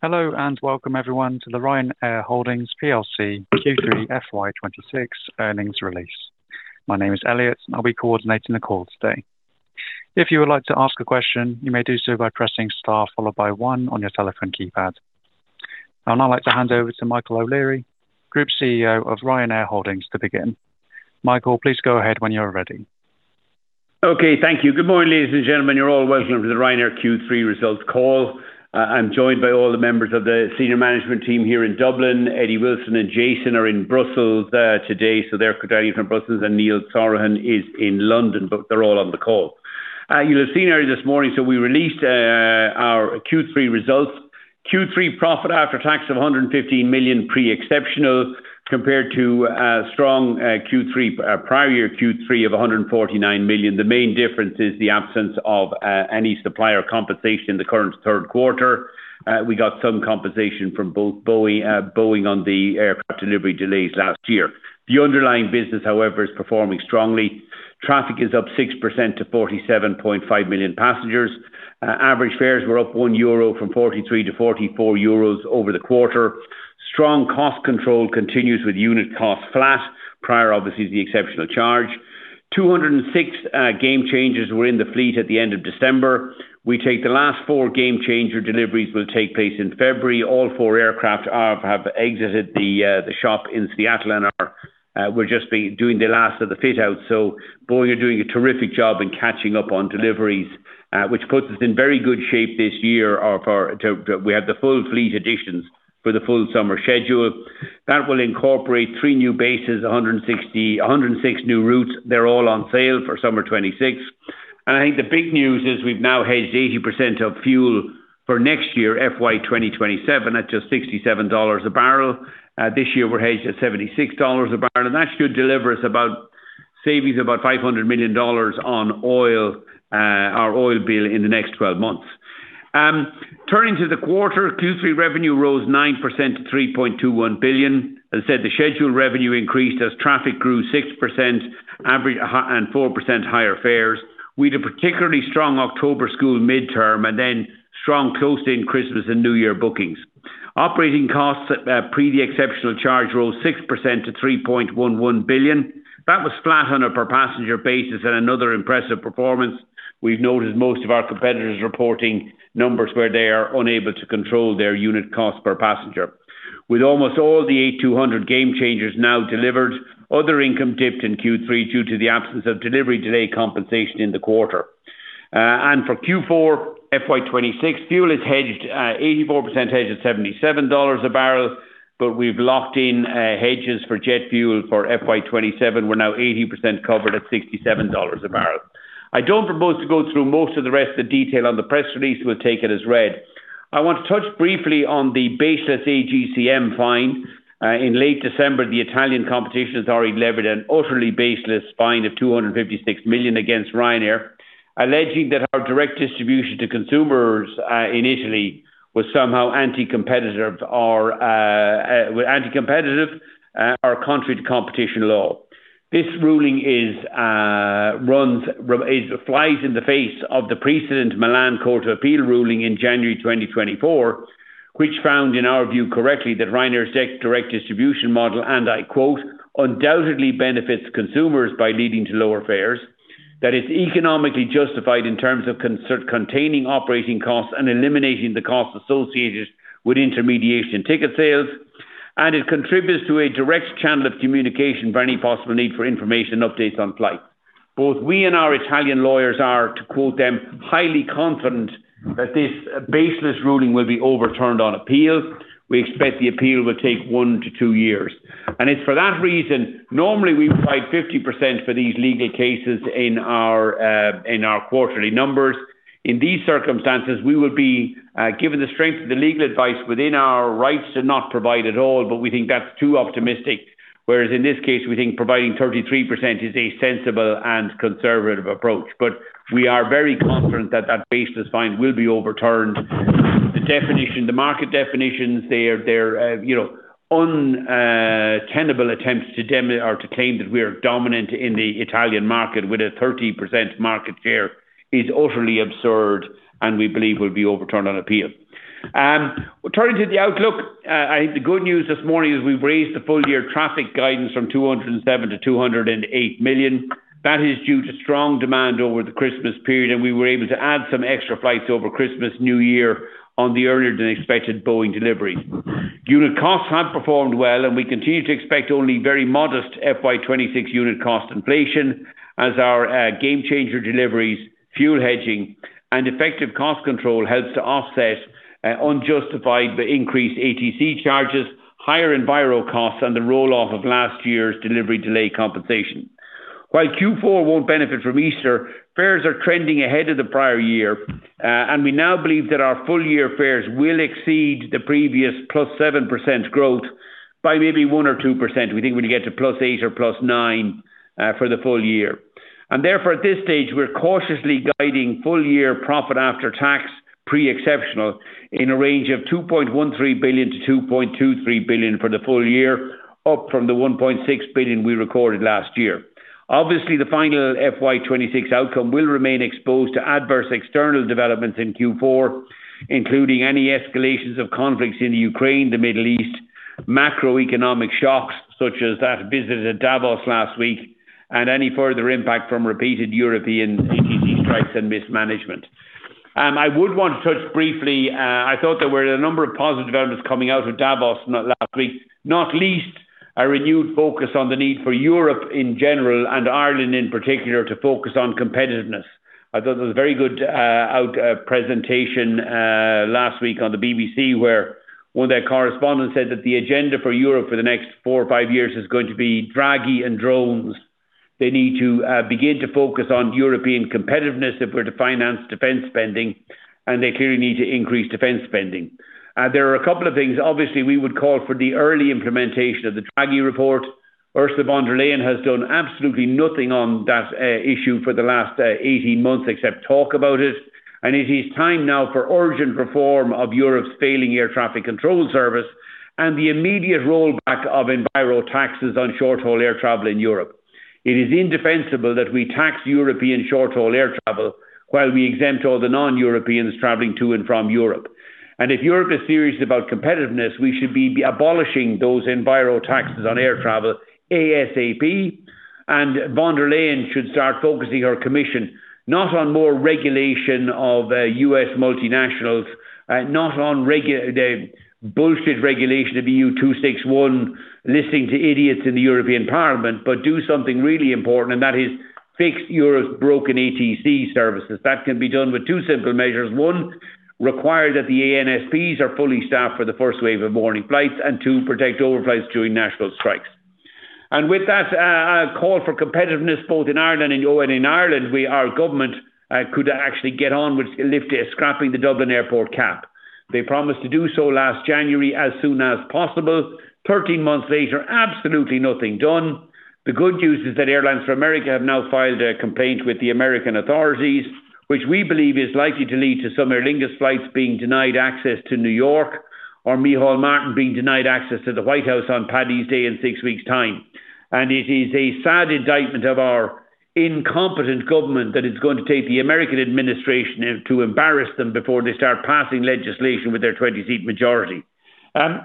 Hello, and welcome everyone to the Ryanair Holdings PLC Q3 FY 2026 Earnings Release. My name is Elliot, and I'll be coordinating the call today. If you would like to ask a question, you may do so by pressing star followed by one on your telephone keypad. I'd now like to hand over to Michael O'Leary, Group CEO of Ryanair Holdings, to begin. Michael, please go ahead when you're ready. Okay. Thank you. Good morning, ladies and gentlemen. You're all welcome to the Ryanair Q3 results call. I'm joined by all the members of the senior management team here in Dublin. Eddie Wilson and Jason are in Brussels, today, so they're joining from Brussels, and Neil Sorahan is in London, but they're all on the call. You'll have seen earlier this morning, so we released our Q3 results. Q3 profit after tax of 115 million pre-exceptional, compared to strong prior year Q3 of 149 million. The main difference is the absence of any supplier compensation in the current third quarter. We got some compensation from both Boeing on the aircraft delivery delays last year. The underlying business, however, is performing strongly. Traffic is up 6% to 47.5 million passengers. Average fares were up 1 euro from 43 to 44 euros over the quarter. Strong cost control continues with unit costs flat prior to the exceptional charge. 206 Gamechangers were in the fleet at the end of December. We take the last four Gamechanger deliveries will take place in February. All four aircraft have exited the shop in Seattle and will just be doing the last of the fit-outs. So Boeing are doing a terrific job in catching up on deliveries, which puts us in very good shape this year. We have the full fleet additions for the full summer schedule. That will incorporate three new bases, 106 new routes. They're all on sale for summer 2026. I think the big news is we've now hedged 80% of fuel for next year, FY 2027, at just $67 a barrel. This year we're hedged at $76 a barrel, and that should deliver us about savings of about $500 million on oil, our oil bill in the next 12 months. Turning to the quarter, Q3 revenue rose 9% to 3.21 billion. As I said, the scheduled revenue increased as traffic grew 6%, average, and 4% higher fares. We had a particularly strong October school midterm and then strong close in Christmas and New Year bookings. Operating costs, pre the exceptional charge, rose 6% to 3.11 billion. That was flat on a per passenger basis and another impressive performance. We've noted most of our competitors reporting numbers where they are unable to control their unit cost per passenger. With almost all the 8200 Gamechangers now delivered, other income dipped in Q3 due to the absence of delivery delay compensation in the quarter. And for Q4 FY 2026, fuel is hedged 84% at $77 a barrel, but we've locked in hedges for jet fuel for FY 2027. We're now 80% covered at $67 a barrel. I don't propose to go through most of the rest of the detail on the press release. We'll take it as read. I want to touch briefly on the baseless AGCM fine. In late December, the Italian Competition Authority has already levied an utterly baseless fine of 256 million against Ryanair, alleging that our direct distribution to consumers in Italy was somehow anti-competitive or anti-competitive or contrary to competition law. This ruling flies in the face of the precedent Milan Court of Appeal ruling in January 2024, which found, in our view correctly, that Ryanair's direct distribution model, and I quote, "Undoubtedly benefits consumers by leading to lower fares. That it's economically justified in terms of containing operating costs and eliminating the costs associated with intermediation ticket sales, and it contributes to a direct channel of communication for any possible need for information and updates on flights." Both we and our Italian lawyers are, to quote them, "highly confident that this baseless ruling will be overturned on appeal." We expect the appeal will take one to two years, and it's for that reason, normally we provide 50% for these legal cases in our quarterly numbers. In these circumstances, we will be, given the strength of the legal advice within our rights, to not provide at all, but we think that's too optimistic, whereas in this case, we think providing 33% is a sensible and conservative approach. But we are very confident that that baseless fine will be overturned. The definition, the market definitions, they are, they're, you know, untenable attempts to define or to claim that we are dominant in the Italian market with a 13% market share is utterly absurd and we believe will be overturned on appeal. Turning to the outlook, the good news this morning is we've raised the full year traffic guidance from 207 million to 208 million. That is due to strong demand over the Christmas period, and we were able to add some extra flights over Christmas, New Year, on the earlier than expected Boeing delivery. Unit costs have performed well, and we continue to expect only very modest FY 2026 unit cost inflation as our gamechanger deliveries, fuel hedging, and effective cost control helps to offset unjustified but increased ATC charges, higher enviro costs, and the roll-off of last year's delivery delay compensation. While Q4 won't benefit from Easter, fares are trending ahead of the prior year, and we now believe that our full year fares will exceed the previous +7% growth by maybe 1% or 2%. We think we're going to get to +8% or +9% for the full year. And therefore, at this stage, we're cautiously guiding full year profit after tax, pre-exceptional, in a range of 2.13 billion-2.23 billion for the full year, up from the 1.6 billion we recorded last year. Obviously, the final FY 2026 outcome will remain exposed to adverse external developments in Q4, including any escalations of conflicts in Ukraine, the Middle East, macroeconomic shocks, such as that visited Davos last week, and any further impact from repeated European ATC strikes and mismanagement. I would want to touch briefly. I thought there were a number of positive developments coming out of Davos last week, not least, a renewed focus on the need for Europe in general and Ireland in particular, to focus on competitiveness. I thought there was a very good presentation last week on the BBC, where one of their correspondents said that the agenda for Europe for the next four or five years is going to be Draghi and drones. They need to begin to focus on European competitiveness if we're to finance defense spending, and they clearly need to increase defense spending. There are a couple of things. Obviously, we would call for the early implementation of the Draghi Report. Ursula von der Leyen has done absolutely nothing on that issue for the last 18 months, except talk about it, and it is time now for urgent reform of Europe's failing air traffic control service and the immediate rollback of enviro taxes on short-haul air travel in Europe. It is indefensible that we tax European short-haul air travel while we exempt all the non-Europeans traveling to and from Europe. If Europe is serious about competitiveness, we should be abolishing those enviro taxes on air travel ASAP, and von der Leyen should start focusing her commission not on more regulation of U.S. multinationals, not on the bullshit regulation of the EU261, listening to idiots in the European Parliament, but do something really important, and that is fix Europe's broken ATC services. That can be done with two simple measures. One, require that the ANSPs are fully staffed for the first wave of morning flights, and two, protect overflights during national strikes. And with that call for competitiveness both in Ireland and in Ireland, we, our government, could actually get on with scrapping the Dublin Airport cap. They promised to do so last January, as soon as possible. Thirteen months later, absolutely nothing done. The good news is that Airlines for America have now filed a complaint with the American authorities, which we believe is likely to lead to some Aer Lingus flights being denied access to New York, or Micheál Martin being denied access to the White House on Paddy's Day in six weeks' time. It is a sad indictment of our incompetent government that it's going to take the American administration to embarrass them before they start passing legislation with their 20-seat majority.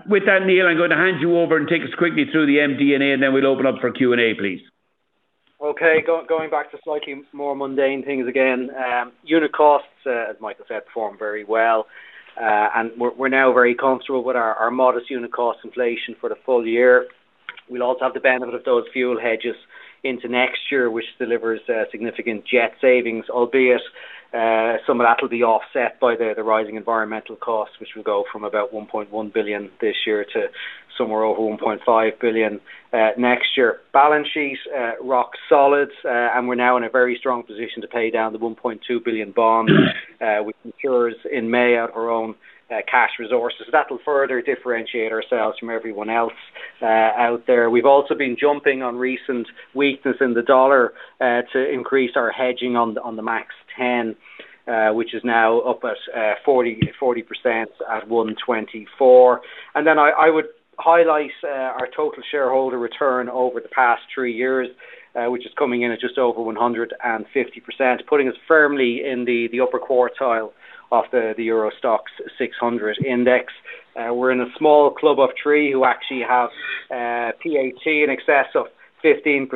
With that, Neil, I'm going to hand you over and take us quickly through the MD&A, and then we'll open up for Q&A, please. Okay, going back to slightly more mundane things again. Unit costs, as Michael said, performed very well, and we're now very comfortable with our modest unit cost inflation for the full year. We'll also have the benefit of those fuel hedges into next year, which delivers significant jet savings, albeit some of that will be offset by the rising environmental costs, which will go from about 1.1 billion this year to somewhere over 1.5 billion next year. Balance sheet, rock solid, and we're now in a very strong position to pay down the 1.2 billion bond, which matures in May out of our own cash resources. That'll further differentiate ourselves from everyone else out there. We've also been jumping on recent weakness in the dollar to increase our hedging on the MAX 10, which is now up at 40%-40% at EUR 1.24. Then I would highlight our total shareholder return over the past three years, which is coming in at just over 150%, putting us firmly in the upper quartile of the Euro STOXX 600 index. We're in a small club of three who actually have PAT in excess of 15%,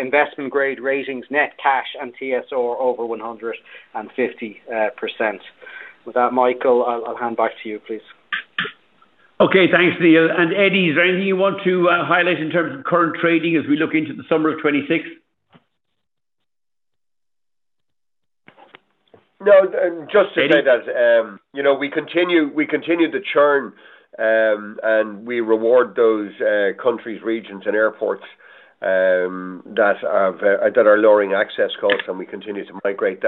investment grade ratings, net cash and TSR over 150%. With that, Michael, I'll hand back to you, please. Okay, thanks, Neil. And Eddie, is there anything you want to highlight in terms of current trading as we look into the summer of 2026? Eddie? No, just to say that, you know, we continue, we continue to churn, and we reward those countries, regions, and airports that are lowering access costs, and we continue to migrate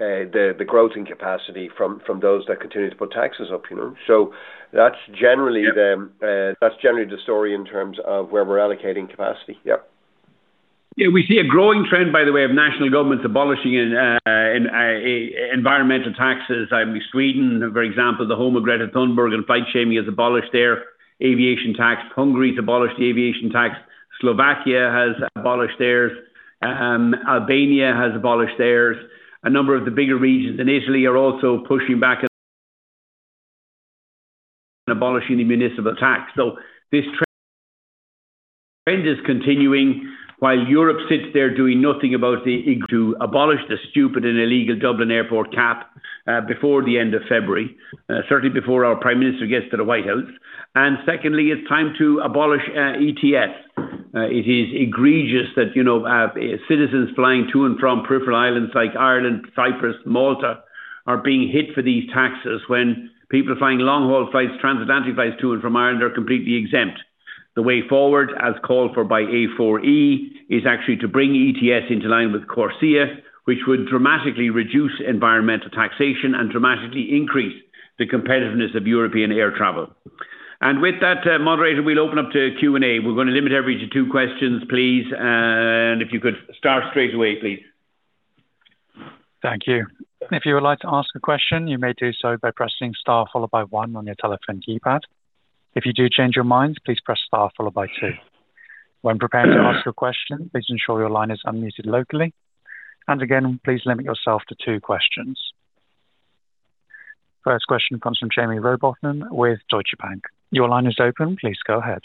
the growth and capacity from those that continue to put taxes up, you know? So that's generally the story in terms of where we're allocating capacity. Yep. Yeah, we see a growing trend, by the way, of national governments abolishing environmental taxes. Sweden, for example, the home of Greta Thunberg and flight shaming, has abolished their aviation tax. Hungary's abolished the aviation tax. Slovakia has abolished theirs. Albania has abolished theirs. A number of the bigger regions in Italy are also pushing back and abolishing the municipal tax. So this trend is continuing while Europe sits there doing nothing about the... To abolish the stupid and illegal Dublin Airport cap before the end of February, certainly before our Prime Minister gets to the White House. And secondly, it's time to abolish ETS. It is egregious that, you know, citizens flying to and from peripheral islands like Ireland, Cyprus, Malta, are being hit for these taxes when people flying long-haul flights, transatlantic flights to and from Ireland are completely exempt. The way forward, as called for by A4E, is actually to bring ETS into line with CORSIA, which would dramatically reduce environmental taxation and dramatically increase the competitiveness of European air travel. And with that, moderator, we'll open up to Q&A. We're gonna limit everybody to two questions, please, and if you could start straight away, please. Thank you. If you would like to ask a question, you may do so by pressing star followed by one on your telephone keypad. If you do change your mind, please press star followed by two. When preparing to ask your question, please ensure your line is unmuted locally, and again, please limit yourself to two questions. First question comes from Jaime Rowbotham with Deutsche Bank. Your line is open. Please go ahead.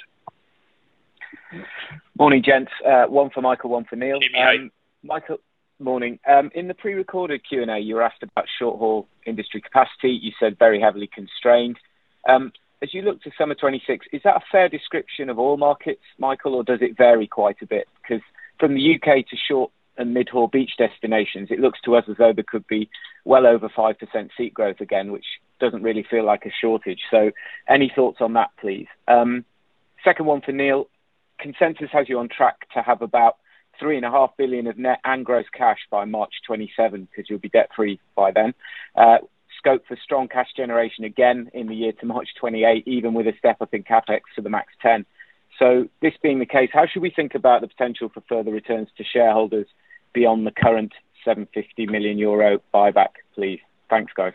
Morning, gents. One for Michael, one for Neil. Good day. Michael, morning. In the prerecorded Q&A, you were asked about short-haul industry capacity. You said very heavily constrained. As you look to summer 2026, is that a fair description of all markets, Michael, or does it vary quite a bit? Because from the U.K. to short and mid-haul beach destinations, it looks to us as though there could be well over 5% seat growth again, which doesn't really feel like a shortage. So any thoughts on that, please? Second one for Neil. Consensus has you on track to have about 3.5 billion of net and gross cash by March 2027, because you'll be debt free by then. Scope for strong cash generation again in the year to March 2028, even with a step up in CapEx to the MAX 10. So this being the case, how should we think about the potential for further returns to shareholders beyond the current 750 million euro buyback, please? Thanks, guys.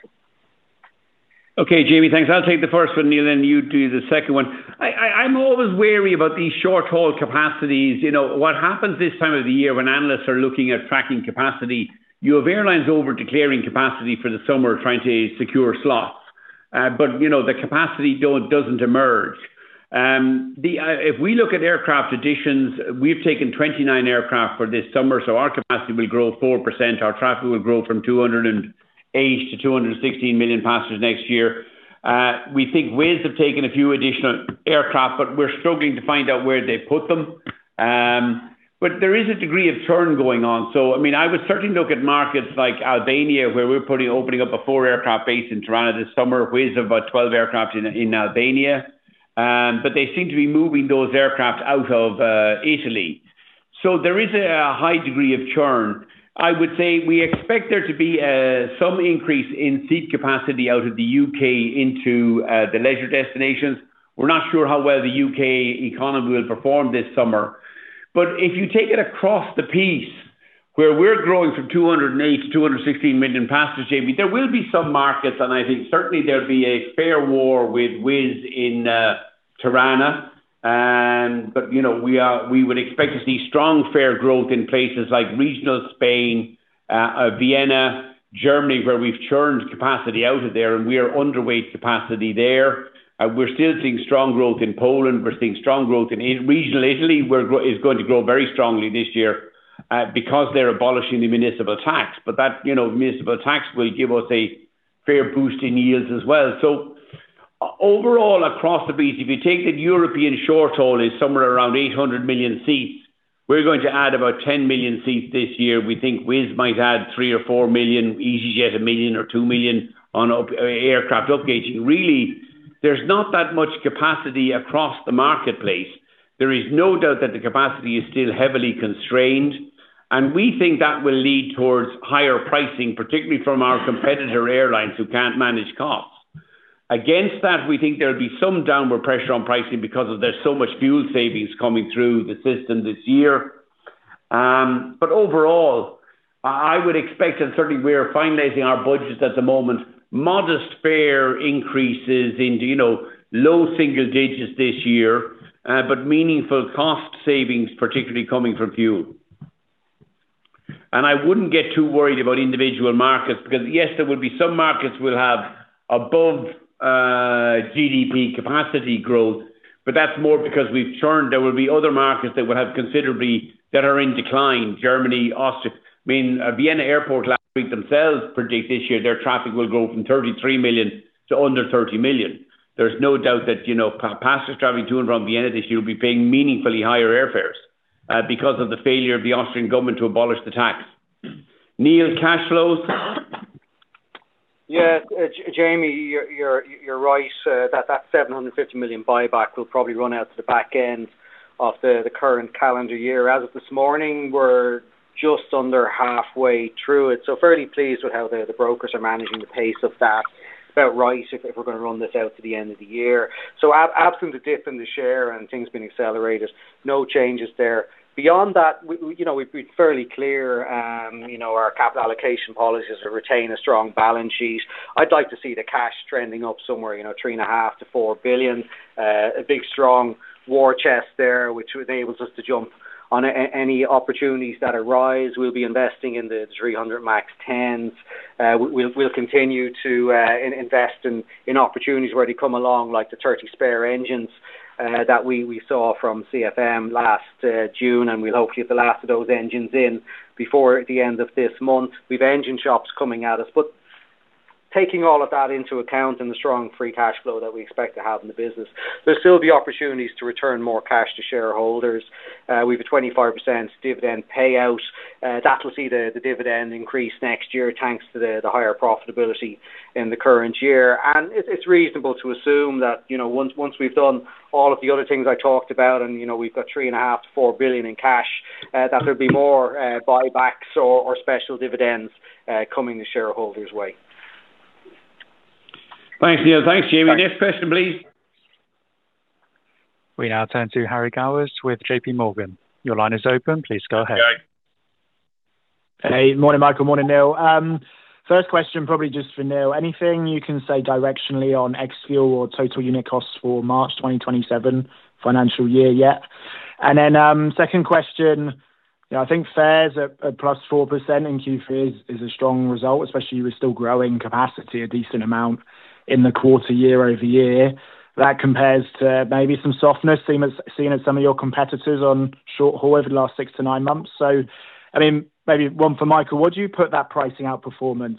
Okay, Jamie. Thanks. I'll take the first one, Neil, and you do the second one. I'm always wary about these short-haul capacities. You know, what happens this time of the year when analysts are looking at tracking capacity, you have airlines over-declaring capacity for the summer, trying to secure slots. But, you know, the capacity don't, doesn't emerge. If we look at aircraft additions, we've taken 29 aircraft for this summer, so our capacity will grow 4%. Our traffic will grow from 208 million to 216 million passengers next year. We think Wizz have taken a few additional aircraft, but we're struggling to find out where they put them. But there is a degree of churn going on. So, I mean, I would certainly look at markets like Albania, where we're putting, opening up a 4-aircraft base in Tirana this summer, Wizz about 12 aircraft in Albania, but they seem to be moving those aircraft out of Italy. So there is a high degree of churn. I would say we expect there to be some increase in seat capacity out of the U.K. into the leisure destinations. We're not sure how well the U.K. economy will perform this summer. But if you take it across the piece, where we're growing from 208 million to 216 million passengers, Jamie, there will be some markets, and I think certainly there'll be a fair war with Wizz in Tirana. You know, we would expect to see strong fare growth in places like regional Spain, Vienna, Germany, where we've churned capacity out of there, and we are underweight capacity there. We're still seeing strong growth in Poland. We're seeing strong growth in regional Italy, where is going to grow very strongly this year, because they're abolishing the municipal tax. But that, you know, municipal tax will give us a fair boost in yields as well. So overall, across the beast, if you take the European short-haul is somewhere around 800 million seats, we're going to add about 10 million seats this year. We think Wizz might add 3 million or 4 million, easyJet, 1 million or 2 million on up, aircraft up gauging. Really, there's not that much capacity across the marketplace. There is no doubt that the capacity is still heavily constrained, and we think that will lead towards higher pricing, particularly from our competitor airlines, who can't manage costs. Against that, we think there'll be some downward pressure on pricing because of there's so much fuel savings coming through the system this year. But overall, I would expect, and certainly we are finalizing our budgets at the moment, modest fare increases into, you know, low single digits this year, but meaningful cost savings, particularly coming from fuel. And I wouldn't get too worried about individual markets, because, yes, there will be some markets will have above GDP capacity growth, but that's more because we've churned. There will be other markets that will have considerably, that are in decline: Germany, Austria. I mean, Vienna Airport last week themselves predict this year their traffic will grow from 33 million to under 30 million. There's no doubt that, you know, passengers traveling to and from Vienna this year will be paying meaningfully higher airfares, because of the failure of the Austrian government to abolish the tax. Neil, cash flows? Yeah, Jamie, you're right. That 750 million buyback will probably run out to the back end of the current calendar year. As of this morning, we're just under halfway through it, so fairly pleased with how the brokers are managing the pace of that. About right if we're going to run this out to the end of the year. So absent a dip in the share and things being accelerated, no changes there. Beyond that, you know, we've been fairly clear, you know, our capital allocation policies are retain a strong balance sheet. I'd like to see the cash trending up somewhere, you know, 3.5 billion-4 billion. A big, strong war chest there, which enables us to jump on any opportunities that arise. We'll be investing in the 300 MAX 10s. We'll continue to invest in opportunities where they come along, like the 30 spare engines that we saw from CFM last June, and we'll hopefully get the last of those engines in before the end of this month. We've engine shops coming at us. But taking all of that into account, and the strong free cash flow that we expect to have in the business, there'll still be opportunities to return more cash to shareholders. We've a 25% dividend payout. That will see the dividend increase next year, thanks to the higher profitability in the current year. It's reasonable to assume that, you know, once we've done all of the other things I talked about, and, you know, we've got 3.5 billion-4 billion in cash, that there'll be more buybacks or special dividends coming the shareholders' way. Thanks, Neil. Thanks, Jamie. Thanks. Next question, please. We now turn to Harry Gowers with J.P. Morgan. Your line is open. Please go ahead. Hey, morning, Michael. Morning, Neil. First question, probably just for Neil. Anything you can say directionally on ex-fuel or total unit costs for March 2027 financial year yet? And then, second question, you know, I think fares at +4% in Q3 is a strong result, especially with still growing capacity, a decent amount in the quarter year-over-year. That compares to maybe some softness seen in some of your competitors on short haul over the last six to nine months. So I mean, maybe one for Michael, would you put that pricing outperformance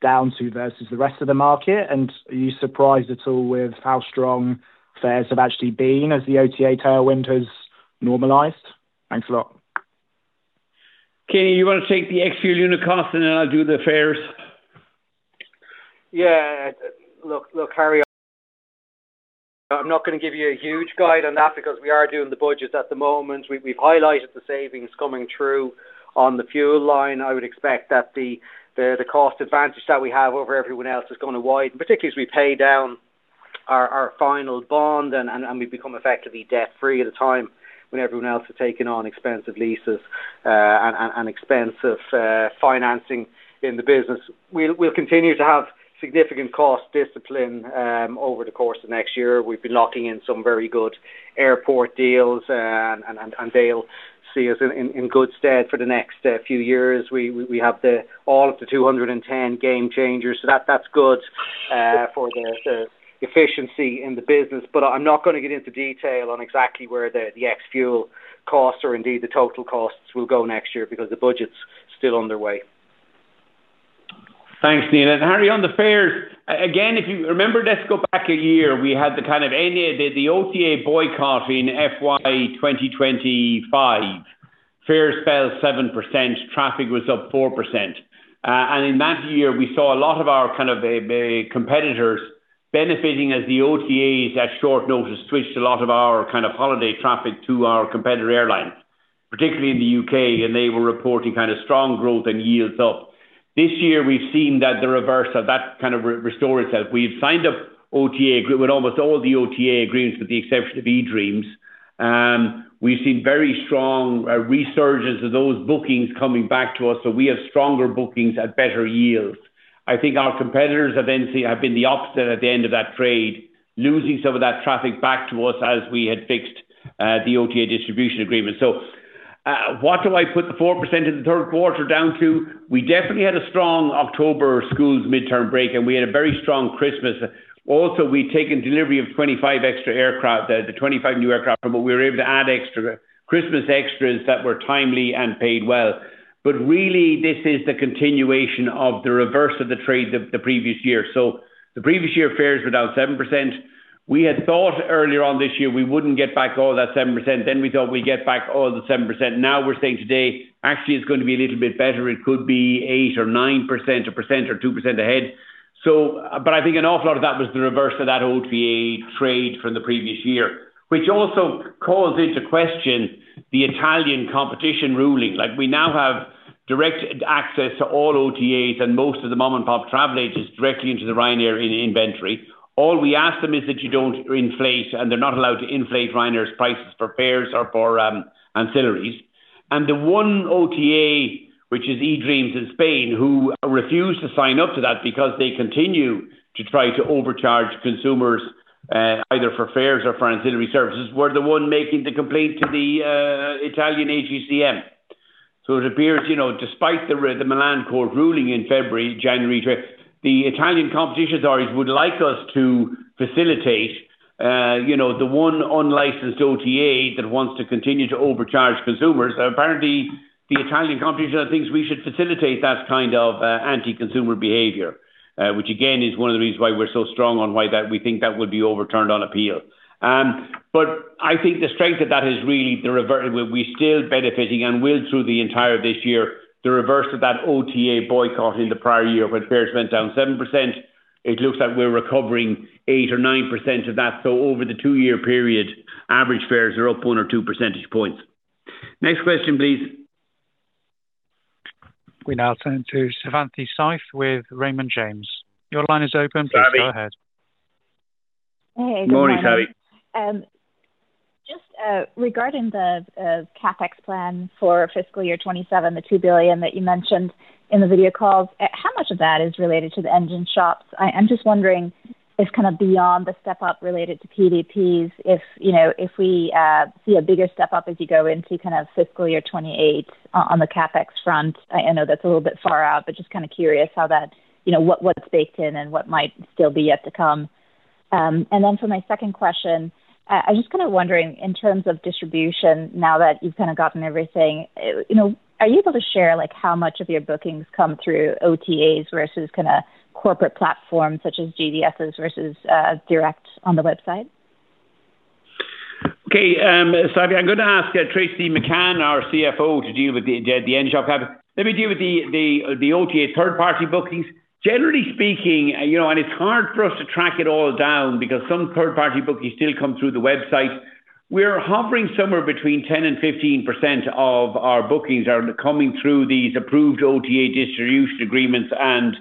down to versus the rest of the market? And are you surprised at all with how strong fares have actually been as the OTA tailwind has normalized? Thanks a lot. Okay, Neal, you want to take the ex-fuel unit cost, and then I'll do the fares? Yeah. Look, Harry, I'm not going to give you a huge guide on that because we are doing the budget at the moment. We've highlighted the savings coming through on the fuel line. I would expect that the cost advantage that we have over everyone else is going to widen, particularly as we pay down our final bond and we become effectively debt-free at a time when everyone else is taking on expensive leases and expensive financing in the business. We'll continue to have significant cost discipline over the course of next year. We've been locking in some very good airport deals, and they'll see us in good stead for the next few years. We have all of the 210 Gamechangers, so that's good for the efficiency in the business. But I'm not going to get into detail on exactly where the ex-fuel costs or indeed the total costs will go next year, because the budget's still underway. Thanks, Neil. And Harry, on the fares, again, if you remember, let's go back a year, we had the kind of an OTA boycott in FY 2025. Fares fell 7%, traffic was up 4%. And in that year, we saw a lot of our kind of competitors benefiting as the OTAs, at short notice, switched a lot of our kind of holiday traffic to our competitor airlines, particularly in the U.K., and they were reporting kind of strong growth and yields up. This year, we've seen that the reverse of that kind of restore itself. We've signed up OTA agreements with almost all the OTA agreements, with the exception of eDreams. We've seen very strong resurgence of those bookings coming back to us, so we have stronger bookings at better yields. I think our competitors have then have been the opposite at the end of that trade, losing some of that traffic back to us as we had fixed the OTA distribution agreement. So, what do I put the 4% in the third quarter down to? We definitely had a strong October schools midterm break, and we had a very strong Christmas. Also, we'd taken delivery of 25 extra aircraft, the 25 new aircraft, but we were able to add extra Christmas extras that were timely and paid well. But really, this is the continuation of the reverse of the trade, the previous year. So the previous year, fares were down 7%. We had thought earlier on this year, we wouldn't get back all that 7%, then we thought we'd get back all the 7%. Now we're saying today, actually, it's going to be a little bit better. It could be 8% or 9%, 1% or 2% ahead. So, but I think an awful lot of that was the reverse of that OTA trade from the previous year, which also calls into question the Italian competition ruling. Like, we now have direct access to all OTAs and most of the mom-and-pop travel agents directly into the Ryanair in inventory. All we ask them is that you don't inflate, and they're not allowed to inflate Ryanair's prices for fares or for ancillaries. And the one OTA, which is eDreams in Spain, who refused to sign up to that because they continue to try to overcharge consumers, either for fares or for ancillary services, were the one making the complaint to the Italian AGCM. So it appears, you know, despite the Milan court ruling in February, the Italian competition authorities would like us to facilitate, you know, the one unlicensed OTA that wants to continue to overcharge consumers. Apparently, the Italian competition thinks we should facilitate that kind of anti-consumer behavior, which again, is one of the reasons why we're so strong on why that we think that would be overturned on appeal. But I think the strength of that is really the reverse. We're still benefiting and will through the entire this year, the reverse of that OTA boycott in the prior year, when fares went down 7%, it looks like we're recovering 8% or 9% of that. So over the two-year period, average fares are up 1 or 2 percentage points. Next question, please. We now turn to Savanthi Syth with Raymond James. Your line is open. Please go ahead. Morning, Syth. Just regarding the CapEx plan for fiscal year 2027, the 2 billion that you mentioned in the video calls, how much of that is related to the engine shops? I'm just wondering if kind of beyond the step-up related to PDPs, if, you know, if we see a bigger step up as you go into kind of fiscal year 2028 on the CapEx front. I know that's a little bit far out, but just kind of curious how that, you know, what's baked in and what might still be yet to come. And then for my second question, I'm just kind of wondering, in terms of distribution, now that you've kind of gotten everything, you know, are you able to share, like, how much of your bookings come through OTAs versus kind of corporate platforms such as GDSs versus direct on the website? Okay, Syth, I'm going to ask Tracey McCann, our CFO, to deal with the engine shop CapEx. Let me deal with the OTA third-party bookings. Generally speaking, you know, and it's hard for us to track it all down because some third-party bookings still come through the website. We're hovering somewhere between 10% and 15% of our bookings are coming through these approved OTA distribution agreements and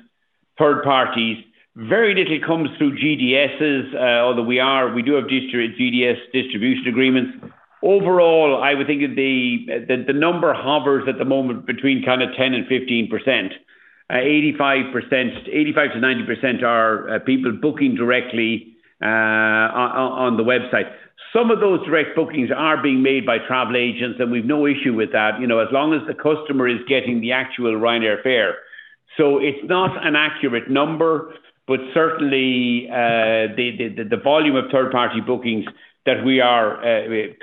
third parties. Very little comes through GDSs, although we do have GDS distribution agreements. Overall, I would think that the number hovers at the moment between kind of 10% and 15%. 85%-90% are people booking directly on the website. Some of those direct bookings are being made by travel agents, and we've no issue with that, you know, as long as the customer is getting the actual Ryanair fare. So it's not an accurate number, but certainly, the volume of third-party bookings that we are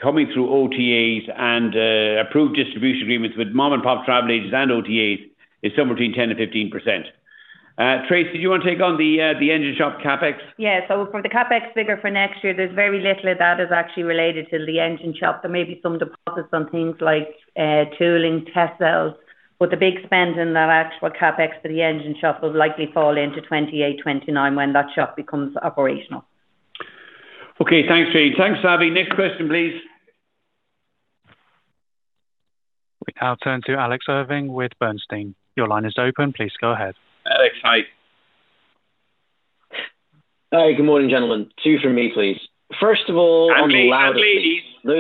coming through OTAs, and approved distribution agreements with mom-and-pop travel agents and OTAs, is somewhere between 10% and 15%. Tracey, did you want to take on the engine shop CapEx? Yeah. So for the CapEx figure for next year, there's very little of that is actually related to the engine shop. There may be some deposits on things like, tooling test cells, but the big spend in that actual CapEx for the engine shop will likely fall into 2028, 2029, when that shop becomes operational. Okay. Thanks, Tracey. Thanks for having me. Next question, please. We now turn to Alex Irving with Bernstein. Your line is open. Please go ahead. Alex, hi. Hi, good morning, gentlemen. Two for me, please. First of all-- On the Lauda fleet, the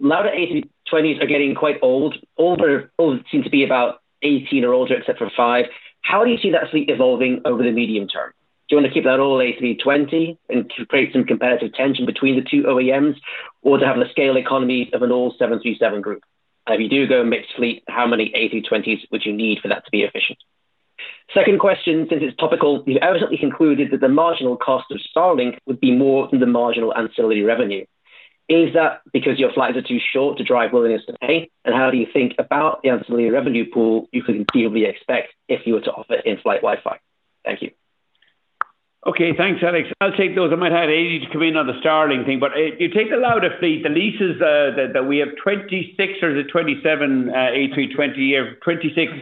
Lauda A320s are getting quite old. Older—all seem to be about 18 or older, except for 5. How do you see that fleet evolving over the medium term? Do you want to keep that all A320 and to create some competitive tension between the two OEMs, or to have the scale economy of an all 737 group? If you do go mixed fleet, how many A320s would you need for that to be efficient? Second question, since it's topical, you've evidently concluded that the marginal cost of Starlink would be more than the marginal ancillary revenue. Is that because your flights are too short to drive willingness to pay? And how do you think about the ancillary revenue pool you can clearly expect if you were to offer in-flight Wi-Fi? Thank you. Okay, thanks, Alex. I'll take those. I might have Eddie to come in on the Starlink thing, but you take the Lauda fleet, the leases that we have 26 or is it 27 A320 or 26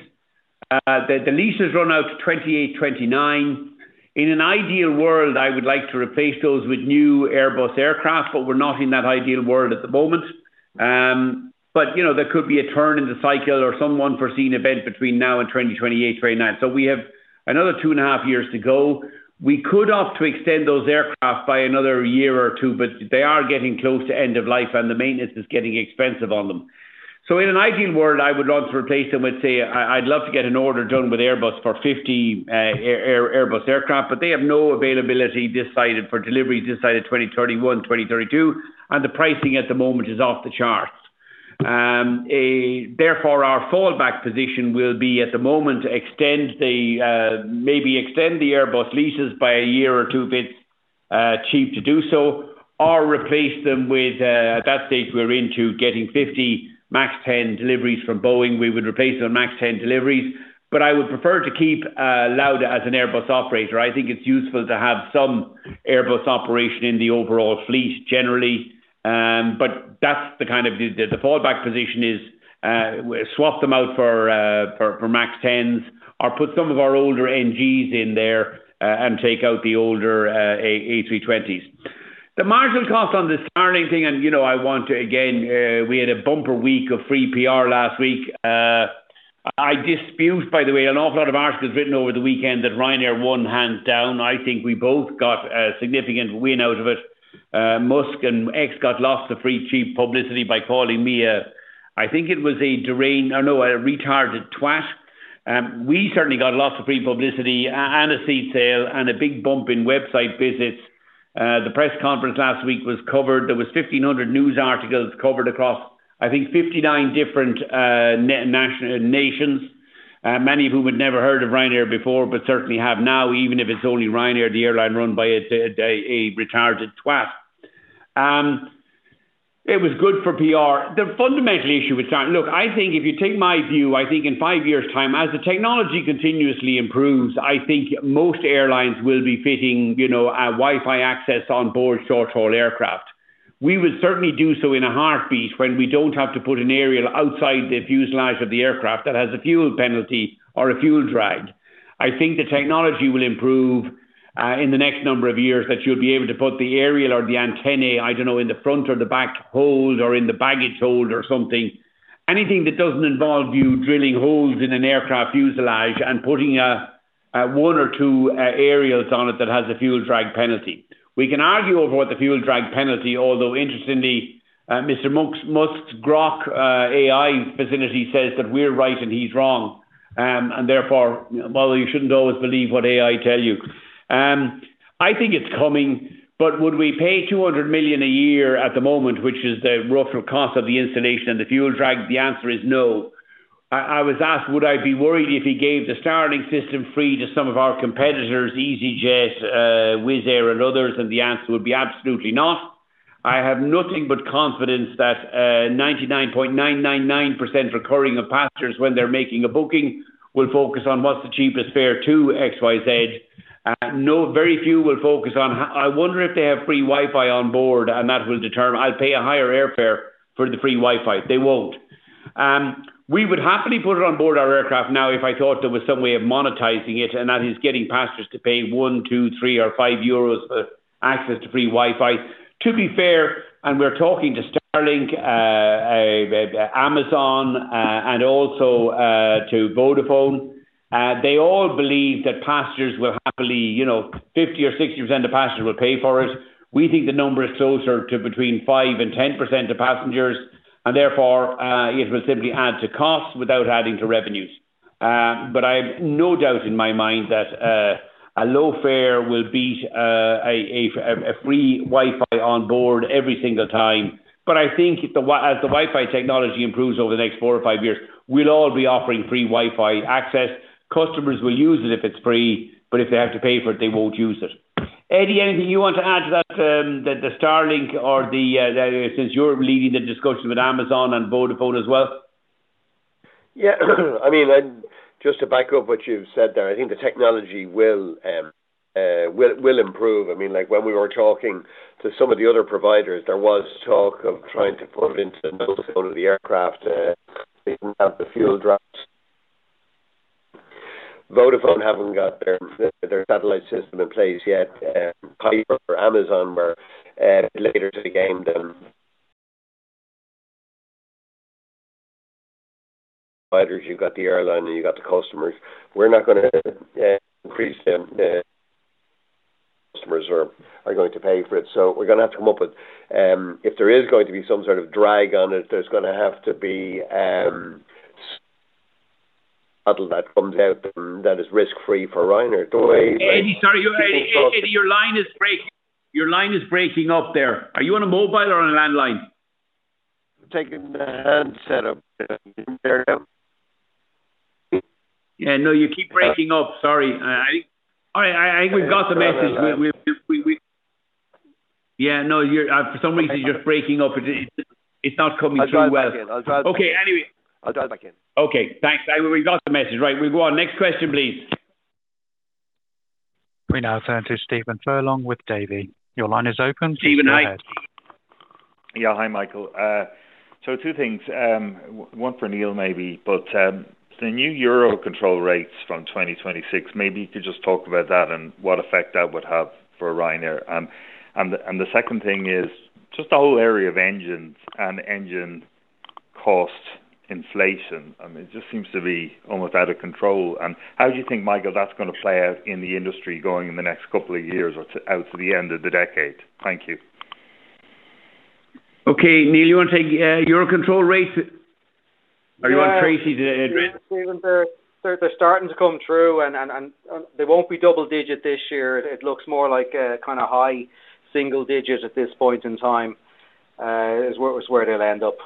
the leases run out to 2028, 2029. In an ideal world, I would like to replace those with new Airbus aircraft, but we're not in that ideal world at the moment. But you know, there could be a turn in the cycle or some unforeseen event between now and 2028, 2029. So we have another two and a half years to go. We could opt to extend those aircraft by another year or two, but they are getting close to end of life, and the maintenance is getting expensive on them. So in an ideal world, I would love to replace them with say, I'd love to get an order done with Airbus for 50 Airbus aircraft, but they have no availability this side of 2031, 2032, for delivery, and the pricing at the moment is off the charts. Therefore, our fallback position will be, at the moment, maybe extend the Airbus leases by a year or two if it's cheap to do so, or replace them with, at that stage, we're into getting 50 MAX 10 deliveries from Boeing. We would replace them MAX 10 deliveries, but I would prefer to keep Lauda as an Airbus operator. I think it's useful to have some Airbus operation in the overall fleet generally. But that's the kind of the fallback position is swap them out for MAX 10s, or put some of our older NGs in there and take out the older A320s. The marginal cost on the Starlink thing, and you know, I want to again we had a bumper week of free PR last week. I dispute, by the way, an awful lot of articles written over the weekend that Ryanair won hands down. I think we both got a significant win out of it. Musk and X got lots of free, cheap publicity by calling me a retarded twat. We certainly got lots of free publicity and a seat sale and a big bump in website visits. The press conference last week was covered. There was 1,500 news articles covered across, I think, 59 different nations, many of whom had never heard of Ryanair before, but certainly have now, even if it's only Ryanair, the airline run by a retarded twat. It was good for PR. The fundamental issue with Starlink. Look, I think if you take my view, I think in five years' time, as the technology continuously improves, I think most airlines will be fitting, you know, a Wi-Fi access on board short-haul aircraft. We will certainly do so in a heartbeat when we don't have to put an aerial outside the fuselage of the aircraft that has a fuel penalty or a fuel drag. I think the technology will improve in the next number of years, that you'll be able to put the aerial or the antennae, I don't know, in the front or the back hold or in the baggage hold or something. Anything that doesn't involve you drilling holes in an aircraft fuselage and putting one or two aerials on it that has a fuel drag penalty. We can argue over what the fuel drag penalty, although interestingly, Mr. Musk's Grok AI facility says that we're right and he's wrong. And therefore, well, you shouldn't always believe what AI tell you. I think it's coming, but would we pay 200 million a year at the moment, which is the rougher cost of the installation and the fuel drag? The answer is no. I was asked, would I be worried if he gave the Starlink system free to some of our competitors, easyJet, Wizz Air, and others, and the answer would be absolutely not. I have nothing but confidence that, 99.999% recurring of passengers when they're making a booking, will focus on what's the cheapest fare to XYZ. No, very few will focus on I wonder if they have free Wi-Fi on board, and that will determine, I'll pay a higher airfare for the free Wi-Fi. They won't. We would happily put it on board our aircraft now, if I thought there was some way of monetizing it, and that is getting passengers to pay 1, 2, 3, or 5 euros for access to free Wi-Fi. To be fair, we're talking to Starlink, Amazon, and also to Vodafone. They all believe that passengers will happily, you know, 50% or 60% of passengers will pay for it. We think the number is closer to between 5%-10% of passengers, and therefore, it will simply add to costs without adding to revenues. But I've no doubt in my mind that a low fare will beat a free Wi-Fi on board every single time. But I think if the Wi-Fi technology improves over the next four or five years, we'll all be offering free Wi-Fi access. Customers will use it if it's free, but if they have to pay for it, they won't use it. Eddie, anything you want to add to that, the Starlink or since you're leading the discussions with Amazon and Vodafone as well? Yeah. I mean, and just to back up what you've said there, I think the technology will improve. I mean, like, when we were talking to some of the other providers, there was talk of trying to put into the aircraft, they didn't have the fuel drops. Vodafone haven't got their satellite system in place yet. Amazon were later to the game than --providers, you've got the airline, and you've got the customers. We're not gonna increase them, the customers are going to pay for it. So we're gonna have to come up with if there is going to be some sort of drag on it, there's gonna have to be model that comes out and that is risk-free for Ryanair, the way- Eddie, sorry. Eddie, your line is breaking. Your line is breaking up there. Are you on a mobile or on a landline? I'm taking the handset up. Yeah, no, you keep breaking up. Sorry. All right, I think we've got the message. Yeah, no, you're for some reason breaking up. It's not coming through well. I'll dial back in. I'll dial back in. Okay, anyway. Okay, thanks. We've got the message. Right, we go on. Next question, please. We now turn to Stephen Furlong with Davy. Your line is open. Stephen, hi. Yeah. Hi, Michael. So two things, one for Neil, maybe, but the new Eurocontrol rates from 2026, maybe you could just talk about that and what effect that would have for Ryanair. And the second thing is just the whole area of engines and engine cost inflation. I mean, it just seems to be almost out of control. And how do you think, Michael, that's gonna play out in the industry going in the next couple of years or out to the end of the decade? Thank you. Okay, Neil, you want to take Eurocontrol rates? Or you want Tracey to address? They're starting to come through, and they won't be double digit this year. It looks more like kind of high single digit at this point in time is where they'll end up.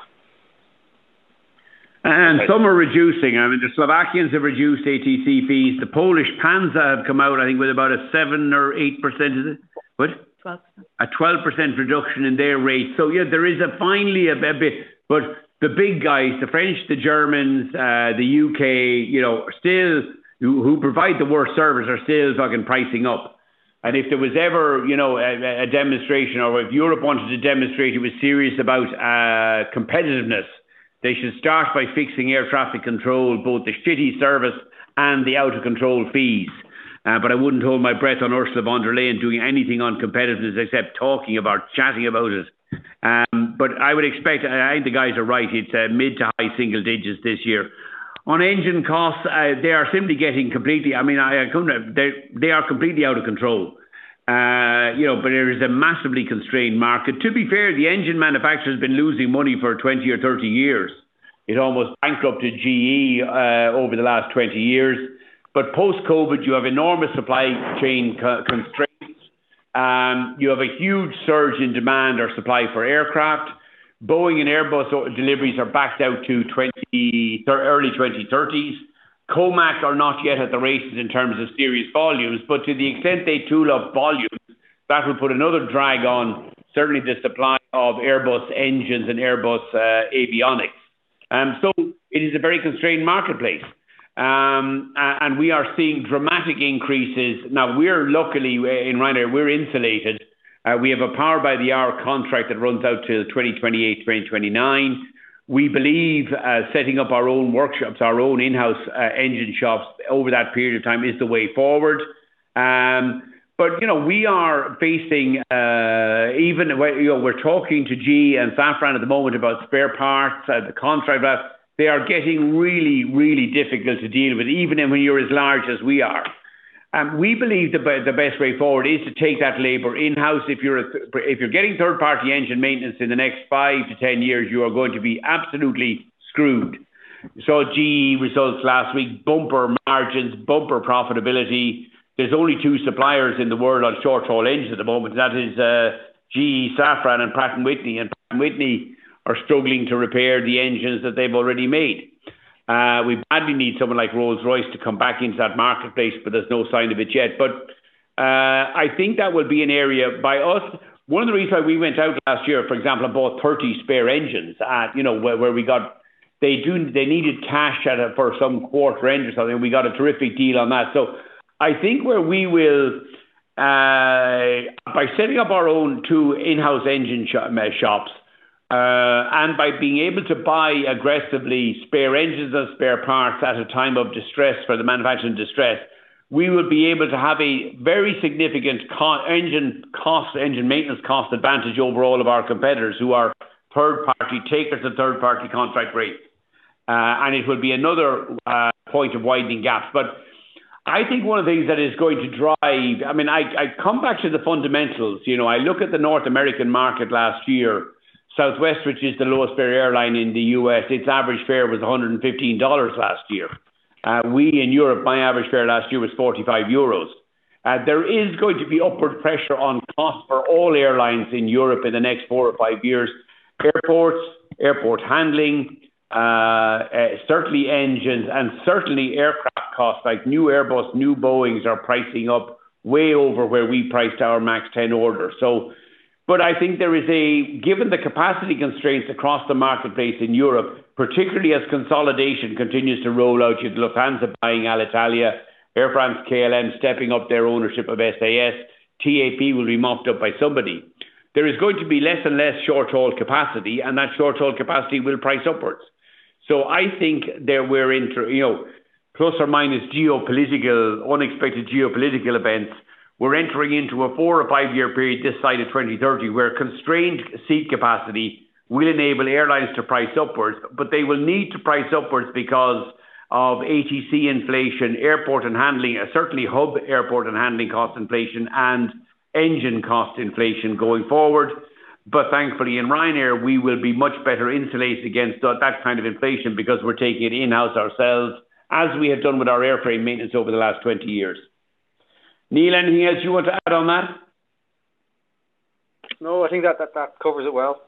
Some are reducing. I mean, the Slovakians have reduced ATC. The Polish PANSA have come out, I think, with about a 7% or 8%, is it? What? 12%. A 12% reduction in their rates. So yeah, there is finally a bit. But the big guys, the French, the Germans, the U.K., you know, still, who provide the worst service, are still fucking pricing up. And if there was ever, you know, a demonstration or if Europe wanted to demonstrate it was serious about competitiveness, they should start by fixing air traffic control, both the ATC service and the out-of-control fees. But I wouldn't hold my breath on Ursula von der Leyen doing anything on competitiveness except talking about, chatting about it. But I would expect, I think the guys are right, it's mid- to high-single digits this year. On engine costs, they are simply getting completely, I mean, they are completely out of control. You know, but there is a massively constrained market. To be fair, the engine manufacturer has been losing money for 20 or 30 years. It almost bankrupted GE over the last 20 years. But post-COVID, you have enormous supply chain constraints. You have a huge surge in demand or supply for aircraft. Boeing and Airbus deliveries are backed out to 2020s, early 2030s. COMAC are not yet at the races in terms of serious volumes, but to the extent they tool up volumes, that will put another drag on certainly the supply of Airbus engines and Airbus avionics. So it is a very constrained marketplace. And we are seeing dramatic increases. Now, we're luckily in Ryanair, we're insulated. We have a power-by-the-hour contract that runs out to 2028, 2029. We believe setting up our own workshops, our own in-house engine shops over that period of time is the way forward. But, you know, we are facing even when, you know, we're talking to GE and Safran at the moment about spare parts and the contract, but they are getting really, really difficult to deal with, even when you're as large as we are. And we believe the best way forward is to take that labor in-house. If you're getting third-party engine maintenance in the next 5-10 years, you are going to be absolutely screwed. So GE results last week, bumper margins, bumper profitability. There's only two suppliers in the world on short-haul engines at the moment, that is, GE, Safran, and Pratt & Whitney, and Pratt & Whitney are struggling to repair the engines that they've already made. We badly need someone like Rolls-Royce to come back into that marketplace, but there's no sign of it yet. I think that would be an area by us. One of the reasons why we went out last year, for example, and bought 30 spare engines at, you know, where we got – they needed cash at, for some quarter end or something. We got a terrific deal on that. So I think where we will, by setting up our own two in-house engine shops, and by being able to buy aggressively spare engines and spare parts at a time of distress for the manufacturer in distress, we will be able to have a very significant engine cost, engine maintenance cost advantage over all of our competitors who are third-party takers of third-party contract rate. And it will be another point of widening gaps. But I think one of the things that is going to drive, I mean, I come back to the fundamentals, you know. I look at the North American market last year, Southwest, which is the lowest fare airline in the U.S., its average fare was $115 last year. We in Europe, my average fare last year was 45 euros. There is going to be upward pressure on costs for all airlines in Europe in the next four or five years. Airports, airport handling, certainly engines and certainly aircraft costs, like new Airbus, new Boeings are pricing up way over where we priced our MAX 10 order. But I think there is a--given the capacity constraints across the marketplace in Europe, particularly as consolidation continues to roll out, you have Lufthansa buying Alitalia, Air France, KLM, stepping up their ownership of SAS, TAP will be mopped up by somebody. There is going to be less and less short-haul capacity, and that short-haul capacity will price upwards. So I think that we're into, you know, plus or minus geopolitical- unexpected geopolitical events. We're entering into a four- or five-year period, this side of 2030, where constrained seat capacity will enable airlines to price upwards, but they will need to price upwards because of ATC inflation, airport and handling, certainly hub airport and handling cost inflation and engine cost inflation going forward. But thankfully, in Ryanair, we will be much better insulated against that, that kind of inflation because we're taking it in-house ourselves, as we have done with our airframe maintenance over the last 20 years. Neil, anything else you want to add on that? No, I think that covers it well.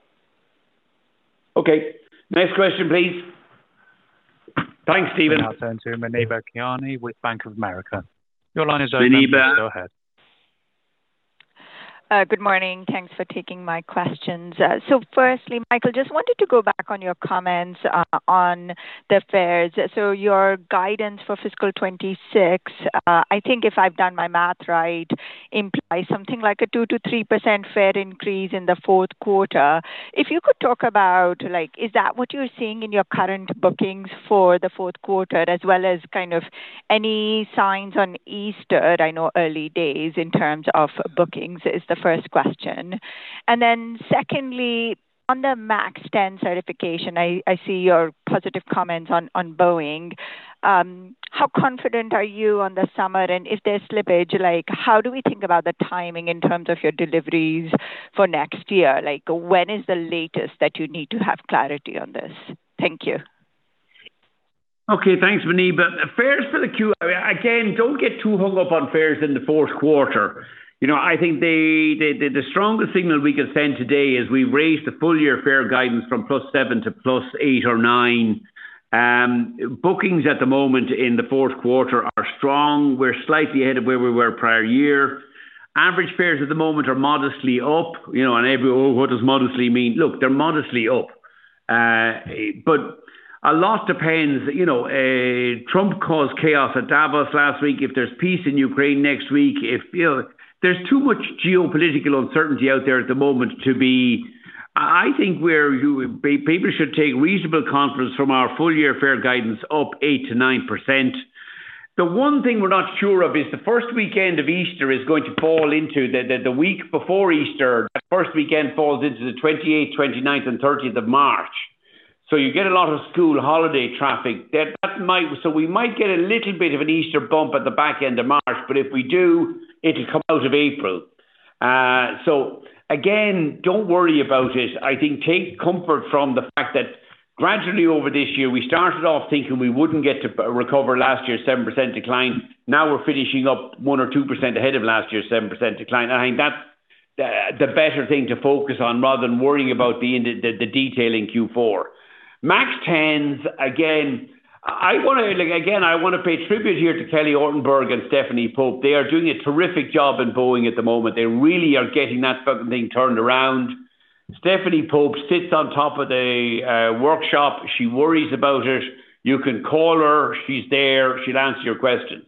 Okay. Next question, please. Thanks, Stephen. I'll turn to Muneeba Kayani with Bank of America. Your line is open. Go ahead. Hi, Muneeba. Good morning. Thanks for taking my questions. So firstly, Michael, just wanted to go back on your comments on the fares. So your guidance for fiscal 2026, I think if I've done my math right, implies something like a 2%-3% fare increase in the fourth quarter. If you could talk about, like, is that what you're seeing in your current bookings for the fourth quarter, as well as kind of any signs on Easter? I know early days in terms of bookings is the first question. And then secondly, on the MAX 10 certification, I see your positive comments on Boeing. How confident are you on the summer, and if there's slippage, like, how do we think about the timing in terms of your deliveries for next year? Like, when is the latest that you need to have clarity on this? Thank you. Okay, thanks, Muneeba. Fares for the Q4—again, don't get too hung up on fares in the fourth quarter. You know, I think the strongest signal we can send today is we've raised the full year fare guidance from +7% to +8% or 9%. Bookings at the moment in the fourth quarter are strong. We're slightly ahead of where we were prior year. Average fares at the moment are modestly up, you know. What does modestly mean? Look, they're modestly up. But a lot depends, you know. Trump caused chaos at Davos last week. If there's peace in Ukraine next week, if, you know, there's too much geopolitical uncertainty out there at the moment to be. I think where people should take reasonable confidence from our full year fare guidance up 8%-9%. The one thing we're not sure of is the first weekend of Easter is going to fall into the week before Easter. The first weekend falls into the 28th, 29th, and 30th of March. So you get a lot of school holiday traffic. That might. So we might get a little bit of an Easter bump at the back end of March, but if we do, it'll come out of April. So again, don't worry about it. I think take comfort from the fact that gradually over this year, we started off thinking we wouldn't get to recover last year's 7% decline. Now we're finishing up 1% or 2% ahead of last year's 7% decline. I think that's the better thing to focus on rather than worrying about the detail in Q4. MAX 10s, again, I wanna, like, again, I wanna pay tribute here to Kelly Ortberg and Stephanie Pope. They are doing a terrific job in Boeing at the moment. They really are getting that fucking thing turned around. Stephanie Pope sits on top of the workshop. She worries about it. You can call her. She's there. She'll answer your question.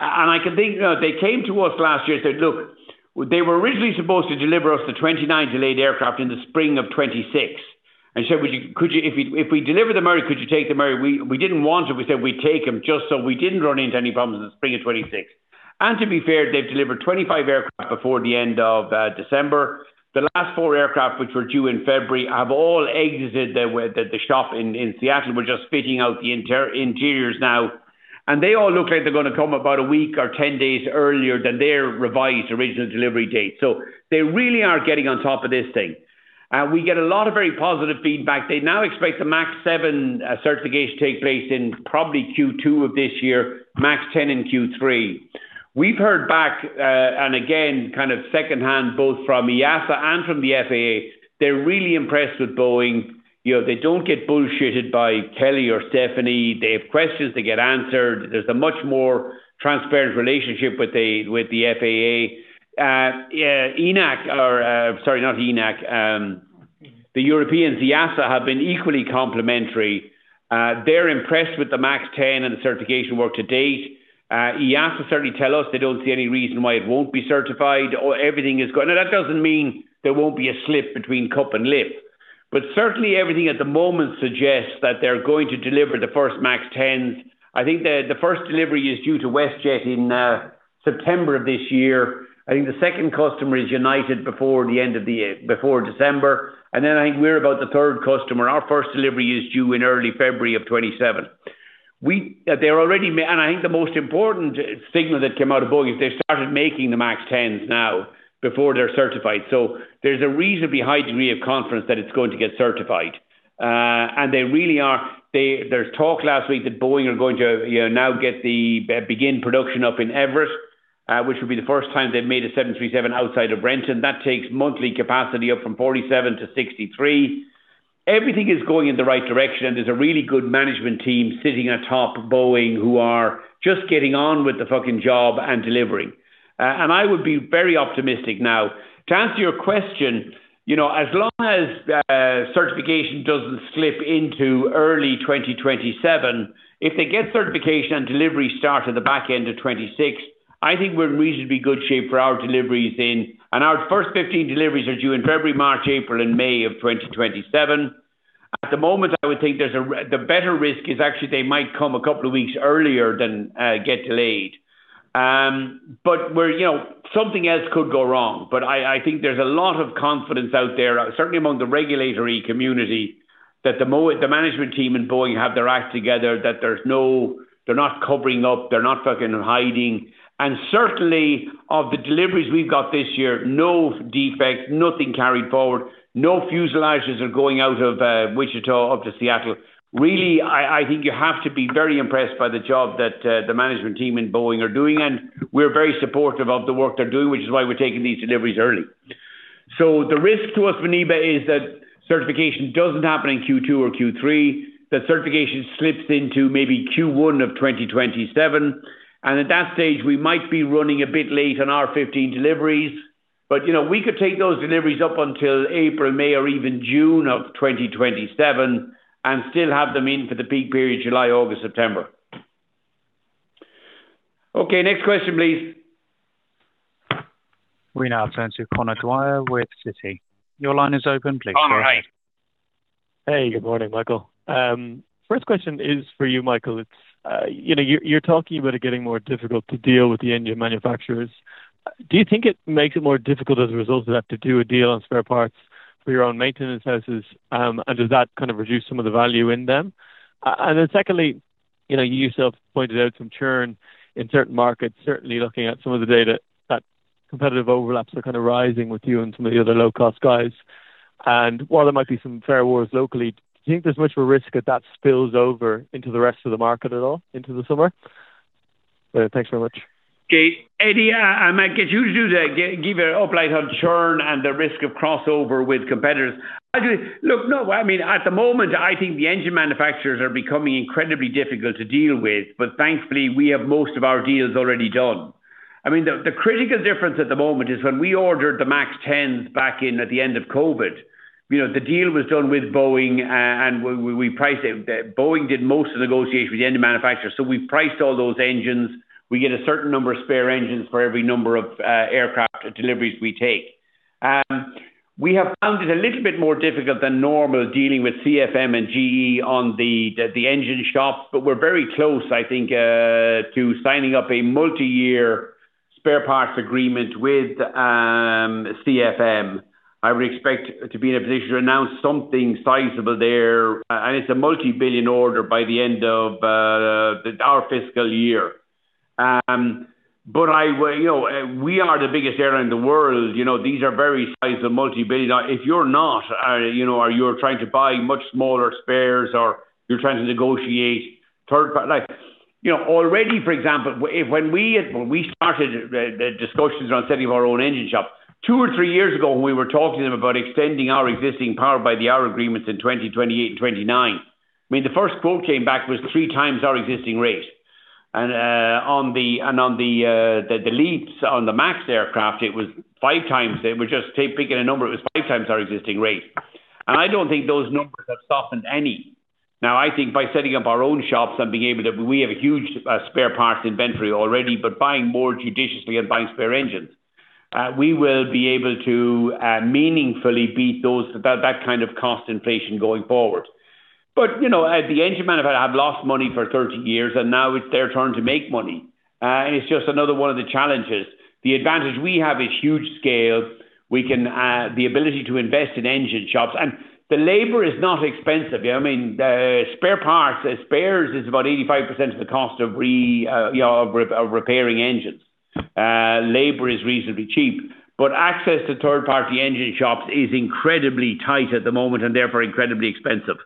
And I can think. They came to us last year and said, "Look," they were originally supposed to deliver us the 29 delayed aircraft in the spring of 2026. And they said, "Would you—could you, if we, if we deliver them early, could you take them early?" We, we didn't want to. We said we'd take them just so we didn't run into any problems in the spring of 2026. And to be fair, they've delivered 25 aircraft before the end of December. The last four aircraft, which were due in February, have all exited the shop in Seattle. We're just fitting out the interiors now, and they all look like they're gonna come about a week or 10 days earlier than their revised original delivery date. So they really are getting on top of this thing. We get a lot of very positive feedback. They now expect the MAX 7 certification to take place in probably Q2 of this year, MAX 10 in Q3. We've heard back, and again, kind of secondhand, both from EASA and from the FAA, they're really impressed with Boeing. You know, they don't get bullshitted by Kelly or Stephanie. They have questions, they get answered. There's a much more transparent relationship with the FAA. Yeah, ENAC or, sorry, not ENAC, the European EASA have been equally complimentary. They're impressed with the MAX 10 and the certification work to date. EASA certainly tell us they don't see any reason why it won't be certified or everything is going... Now, that doesn't mean there won't be a slip between cup and lip. But certainly everything at the moment suggests that they're going to deliver the first MAX 10. I think the first delivery is due to WestJet in September of this year. I think the second customer is United before the end of the year, before December, and then I think we're about the third customer. Our first delivery is due in early February of 2027. They're already making. And I think the most important signal that came out of Boeing is they started making the MAX 10s now before they're certified. So there's a reasonably high degree of confidence that it's going to get certified. And they really are. They. There's talk last week that Boeing are going to, you know, now begin production up in Everett, which would be the first time they've made a 737 outside of Renton. That takes monthly capacity up from 47 to 63. Everything is going in the right direction, and there's a really good management team sitting atop Boeing who are just getting on with the fucking job and delivering. And I would be very optimistic now. To answer your question, you know, as long as certification doesn't slip into early 2027, if they get certification and delivery start at the back end of 2026, I think we're in reasonably good shape for our deliveries in--our first 15 deliveries are due in February, March, April, and May of 2027. At the moment, I would think the better risk is actually they might come a couple of weeks earlier than get delayed. But we're, you know, something else could go wrong, but I think there's a lot of confidence out there, certainly among the regulatory community, that the management team in Boeing have their act together, that they're not covering up, they're not fucking hiding. And certainly, of the deliveries we've got this year, no defects, nothing carried forward, no fuselages are going out of Wichita up to Seattle. Really, I think you have to be very impressed by the job that the management team in Boeing are doing, and we're very supportive of the work they're doing, which is why we're taking these deliveries early. So the risk to us, Bonita, is that certification doesn't happen in Q2 or Q3, that certification slips into maybe Q1 of 2027, and at that stage, we might be running a bit late on our 15 deliveries. But, you know, we could take those deliveries up until April, May, or even June of 2027 and still have them in for the peak period, July, August, September. Okay, next question, please. We now turn to Conor Dwyer with Citi. Your line is open. Please go ahead. Hey, good morning, Michael. First question is for you, Michael. It's, you know, you're talking about it getting more difficult to deal with the engine manufacturers. Do you think it makes it more difficult as a result of that to do a deal on spare parts for your own maintenance houses? And does that kind of reduce some of the value in them? And then secondly, you know, you yourself pointed out some churn in certain markets, certainly looking at some of the data, that competitive overlaps are kind of rising with you and some of the other low-cost guys, and while there might be some fare wars locally, do you think there's much of a risk that that spills over into the rest of the market at all, into the summer? Thanks so much. Okay. Eddie, I might get you to give an update on churn and the risk of crossover with competitors. Actually, look, no, I mean, at the moment, I think the engine manufacturers are becoming incredibly difficult to deal with, but thankfully, we have most of our deals already done. I mean, the critical difference at the moment is when we ordered the MAX 10s back at the end of COVID, you know, the deal was done with Boeing, and we priced it. Boeing did most of the negotiation with the engine manufacturer, so we priced all those engines. We get a certain number of spare engines for every number of aircraft deliveries we take. We have found it a little bit more difficult than normal dealing with CFM and GE on the engine shop, but we're very close, I think, to signing up a multiyear spare parts agreement with CFM. I would expect to be in a position to announce something sizable there, and it's a multi-billion order by the end of our fiscal year. But you know, we are the biggest airline in the world. You know, these are very size of multi-billion. Now, if you're not, you know, or you're trying to buy much smaller spares, or you're trying to negotiate third party—like, you know, already, for example, when we started the discussions around setting up our own engine shop, two or three years ago, we were talking to them about extending our existing power by the hour agreements in 2028 and 2029. I mean, the first quote came back was 3x our existing rate. And on the leads on the MAX aircraft, it was 5x. It was just taking a number, it was 5x our existing rate. And I don't think those numbers have softened any. Now, I think by setting up our own shops and being able to-- We have a huge spare parts inventory already, but buying more judiciously and buying spare engines, we will be able to meaningfully beat that kind of cost inflation going forward. But, you know, the engine manufacturer have lost money for 30 years, and now it's their turn to make money. And it's just another one of the challenges. The advantage we have is huge scale. We can, the ability to invest in engine shops, and the labor is not expensive. I mean, the spare parts, the spares is about 85% of the cost of re- you know, of repairing engines. Labor is reasonably cheap, but access to third-party engine shops is incredibly tight at the moment and therefore incredibly expensive.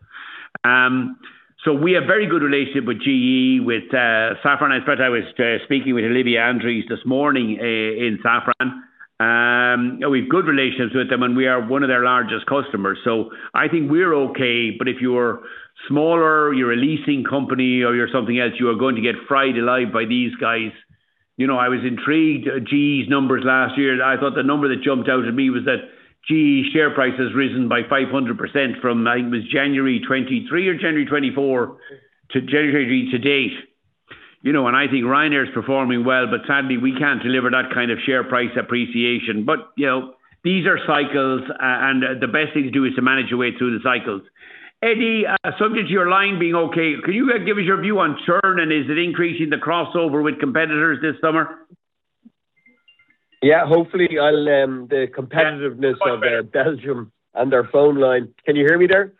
So we have very good relationship with GE, with Safran. In fact, I was speaking with Olivier Andriès this morning in Safran. And we've good relationships with them, and we are one of their largest customers, so I think we're okay, but if you're smaller, you're a leasing company, or you're something else, you are going to get fried alive by these guys. You know, I was intrigued GE's numbers last year. I thought the number that jumped out at me was that GE's share price has risen by 500% from, I think it was January 2023 or January 2024, to January to date. You know, and I think Ryanair is performing well, but sadly we can't deliver that kind of share price appreciation. But, you know, these are cycles, and the best thing to do is to manage your way through the cycles. Eddie, subject to your line being okay, can you give us your view on churn, and is it increasing the crossover with competitors this summer? Yeah, hopefully I'll, the competitiveness of, Belgium and their phone line. Can you hear me there?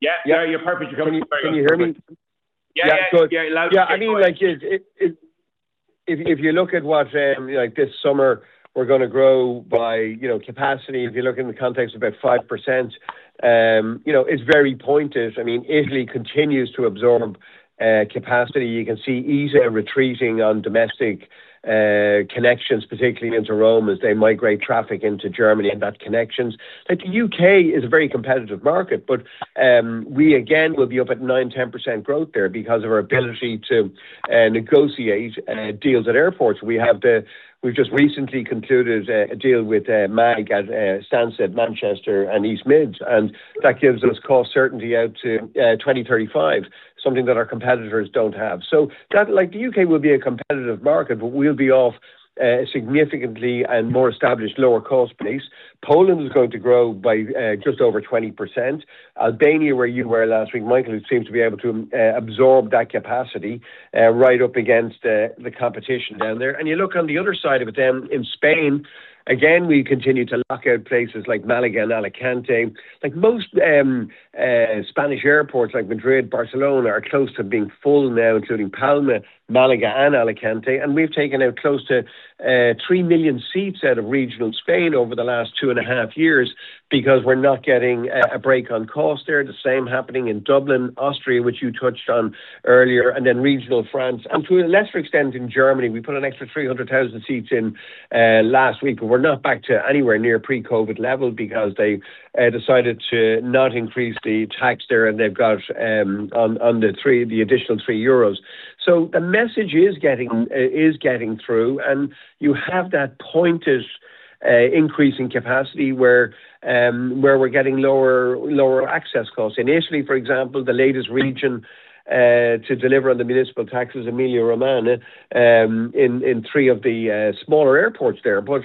Yeah. Yeah, you're perfect. Can you, can you hear me? Yeah, yeah. Yeah, good. Yeah, loud and clear. Yeah, I mean, like, if you look at what, like this summer, we're gonna grow by, you know, capacity, if you look in the context of about 5%, you know, it's very pointed. I mean, Italy continues to absorb capacity. You can see easyJet retreating on domestic connections, particularly into Rome, as they migrate traffic into Germany and the connections. Like, U.K. is a very competitive market, but, we again will be up at 9%-10% growth there because of our ability to negotiate deals at airports. We've just recently concluded a deal with MAG at Stansted, Manchester, and East Midlands, and that gives us cost certainty out to 2035, something that our competitors don't have. So that, like, the U.K. will be a competitive market, but we'll be off, significantly and more established lower cost base. Poland is going to grow by, just over 20%. Albania, where you were last week, Michael, it seems to be able to absorb that capacity, right up against the competition down there. And you look on the other side of it, then in Spain, again, we continue to lock out places like Malaga and Alicante. Like most, Spanish airports, like Madrid, Barcelona, are close to being full now, including Palma, Malaga, and Alicante, and we've taken out close to, 3 million seats out of regional Spain over the last two and a half years because we're not getting a break on cost there. The same happening in Dublin, Austria, which you touched on earlier, and then regional France, and to a lesser extent, in Germany. We put an extra 300,000 seats in last week, but we're not back to anywhere near pre-COVID levels because they decided to not increase the tax there, and they've got on the additional 3 euros. So the message is getting through, and you have that pointed increase in capacity where we're getting lower access costs. In Italy, for example, the latest region to deliver on the municipal tax is Emilia-Romagna in three of the smaller airports there. But,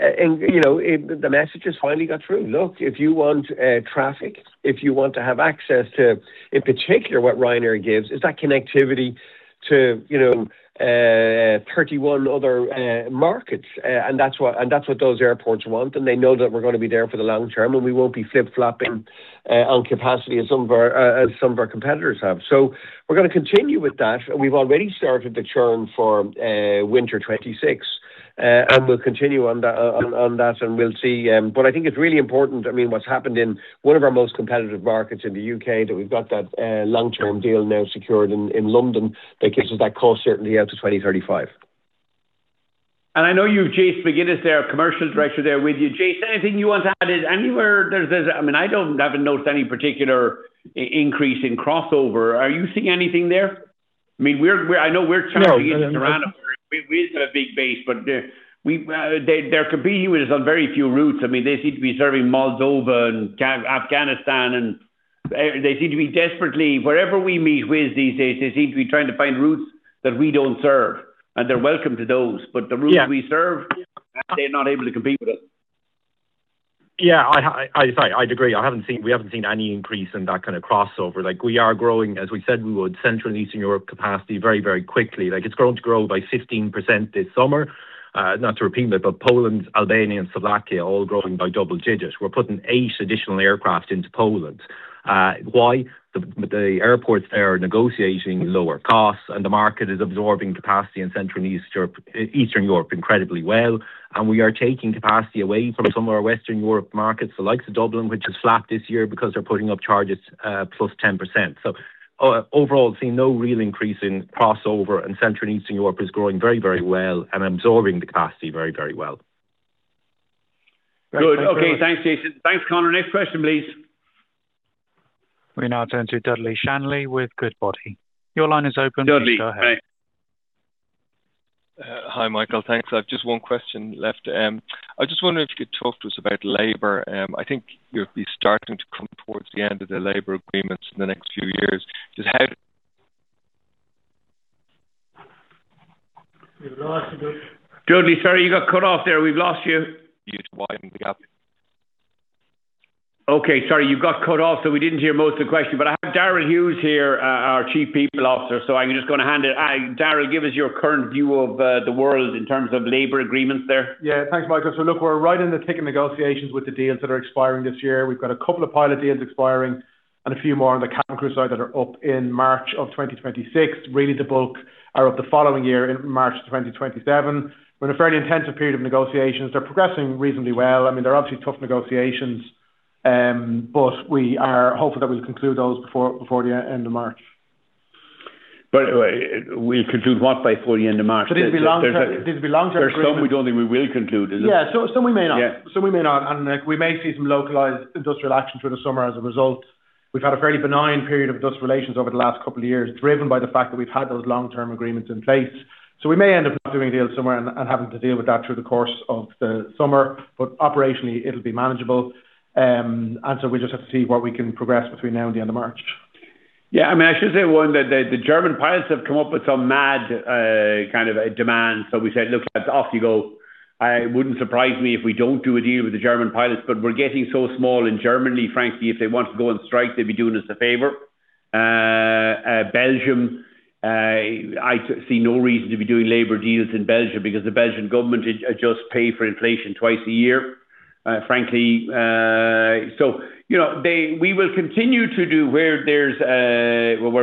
and, you know, the message has finally got through. Look, if you want traffic, if you want to have access to, in particular, what Ryanair gives, is that connectivity to, you know, 31 other markets. And that's what those airports want, and they know that we're gonna be there for the long term, and we won't be flip-flopping on capacity as some of our competitors have. So we're gonna continue with that, and we've already started the churn for winter 2026. And we'll continue on that, and we'll see. But I think it's really important, I mean, what's happened in one of our most competitive markets in the U.K., that we've got that long-term deal now secured in London. That gives us that cost certainty out to 2035. I know you have Jason McGuinness there, Commercial Director there with you. Jason, anything you want to add? Anywhere there's, I mean, I don't, haven't noticed any particular increase in crossover. Are you seeing anything there? I mean, we're, I know we're-- No. Trying to get to Toronto. We have a big base, but there could be with us on very few routes. I mean, they seem to be serving Moldova and Afghanistan and, they seem to be desperately wherever we meet with these days, they seem to be trying to find routes that we don't serve, and they're welcome to those. The routes we serve, they're not able to compete with us. Yeah, I agree. I haven't seen. We haven't seen any increase in that kind of crossover. Like, we are growing, as we said we would, Central and Eastern Europe capacity very, very quickly. Like, it's going to grow by 15% this summer. Not to repeat it, but Poland, Albania, and Slovakia are all growing by double digits. We're putting 8 additional aircraft into Poland. Why? The airports are negotiating lower costs, and the market is absorbing capacity in Central and Eastern Europe, Eastern Europe incredibly well, and we are taking capacity away from some of our Western Europe markets. The likes of Dublin, which is flat this year because they're putting up charges, +10%. So overall, seeing no real increase in crossover, and Central and Eastern Europe is growing very, very well and absorbing the capacity very, very well. Good. Okay. Thanks, Jason. Thanks, Conor. Next question, please. We now turn to Dudley Shanley with Goodbody. Your line is open. Dudley, hi. Hi, Michael. Thanks. I've just one question left. I just wonder if you could talk to us about labor. I think you'll be starting to come towards the end of the labor agreements in the next few years. Just how- We've lost you. Dudley, sorry, you got cut off there. We've lost you. You just widened the gap. Okay, sorry, you got cut off, so we didn't hear most of the question. But I have Darrell Hughes here, our Chief People Officer, so I'm just gonna hand it. Darrell, give us your current view of the world in terms of labor agreements there. Yeah, thanks, Michael. So look, we're right in the thick of negotiations with the deals that are expiring this year. We've got a couple of pilot deals expiring and a few more on the cabin crew side that are up in March 2026. Really, the bulk are of the following year, in March 2027. We're in a fairly intensive period of negotiations. They're progressing reasonably well. I mean, they're obviously tough negotiations, but we are hopeful that we'll conclude those before the end of March. But, we'll conclude what by fully end of March? There'll be long-term agreements. There are some we don't think we will conclude, is it? Yeah, so some we may not. Yeah. Some we may not, and we may see some localized industrial action through the summer as a result. We've had a fairly benign period of industrial relations over the last couple of years, driven by the fact that we've had those long-term agreements in place. So we may end up not doing a deal somewhere and having to deal with that through the course of the summer, but operationally it'll be manageable. And so we'll just have to see what we can progress between now and the end of March. Yeah, I mean, I should say one, that the German pilots have come up with some mad kind of a demand. So we said, "Look, lads, off you go." It wouldn't surprise me if we don't do a deal with the German pilots, but we're getting so small in Germany, frankly, if they want to go on strike, they'd be doing us a favor. Belgium, I see no reason to be doing labor deals in Belgium because the Belgian government just pay for inflation twice a year. Frankly, so, you know, we will continue to do where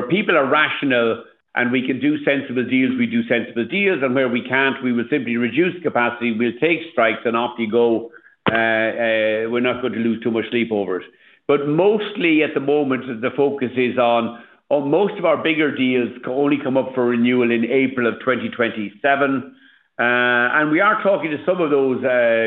people are rational and we can do sensible deals, we do sensible deals, and where we can't, we will simply reduce capacity. We'll take strikes and off you go. We're not going to lose too much sleep over it. But mostly at the moment, the focus is on. On most of our bigger deals can only come up for renewal in April 2027. And we are talking to some of those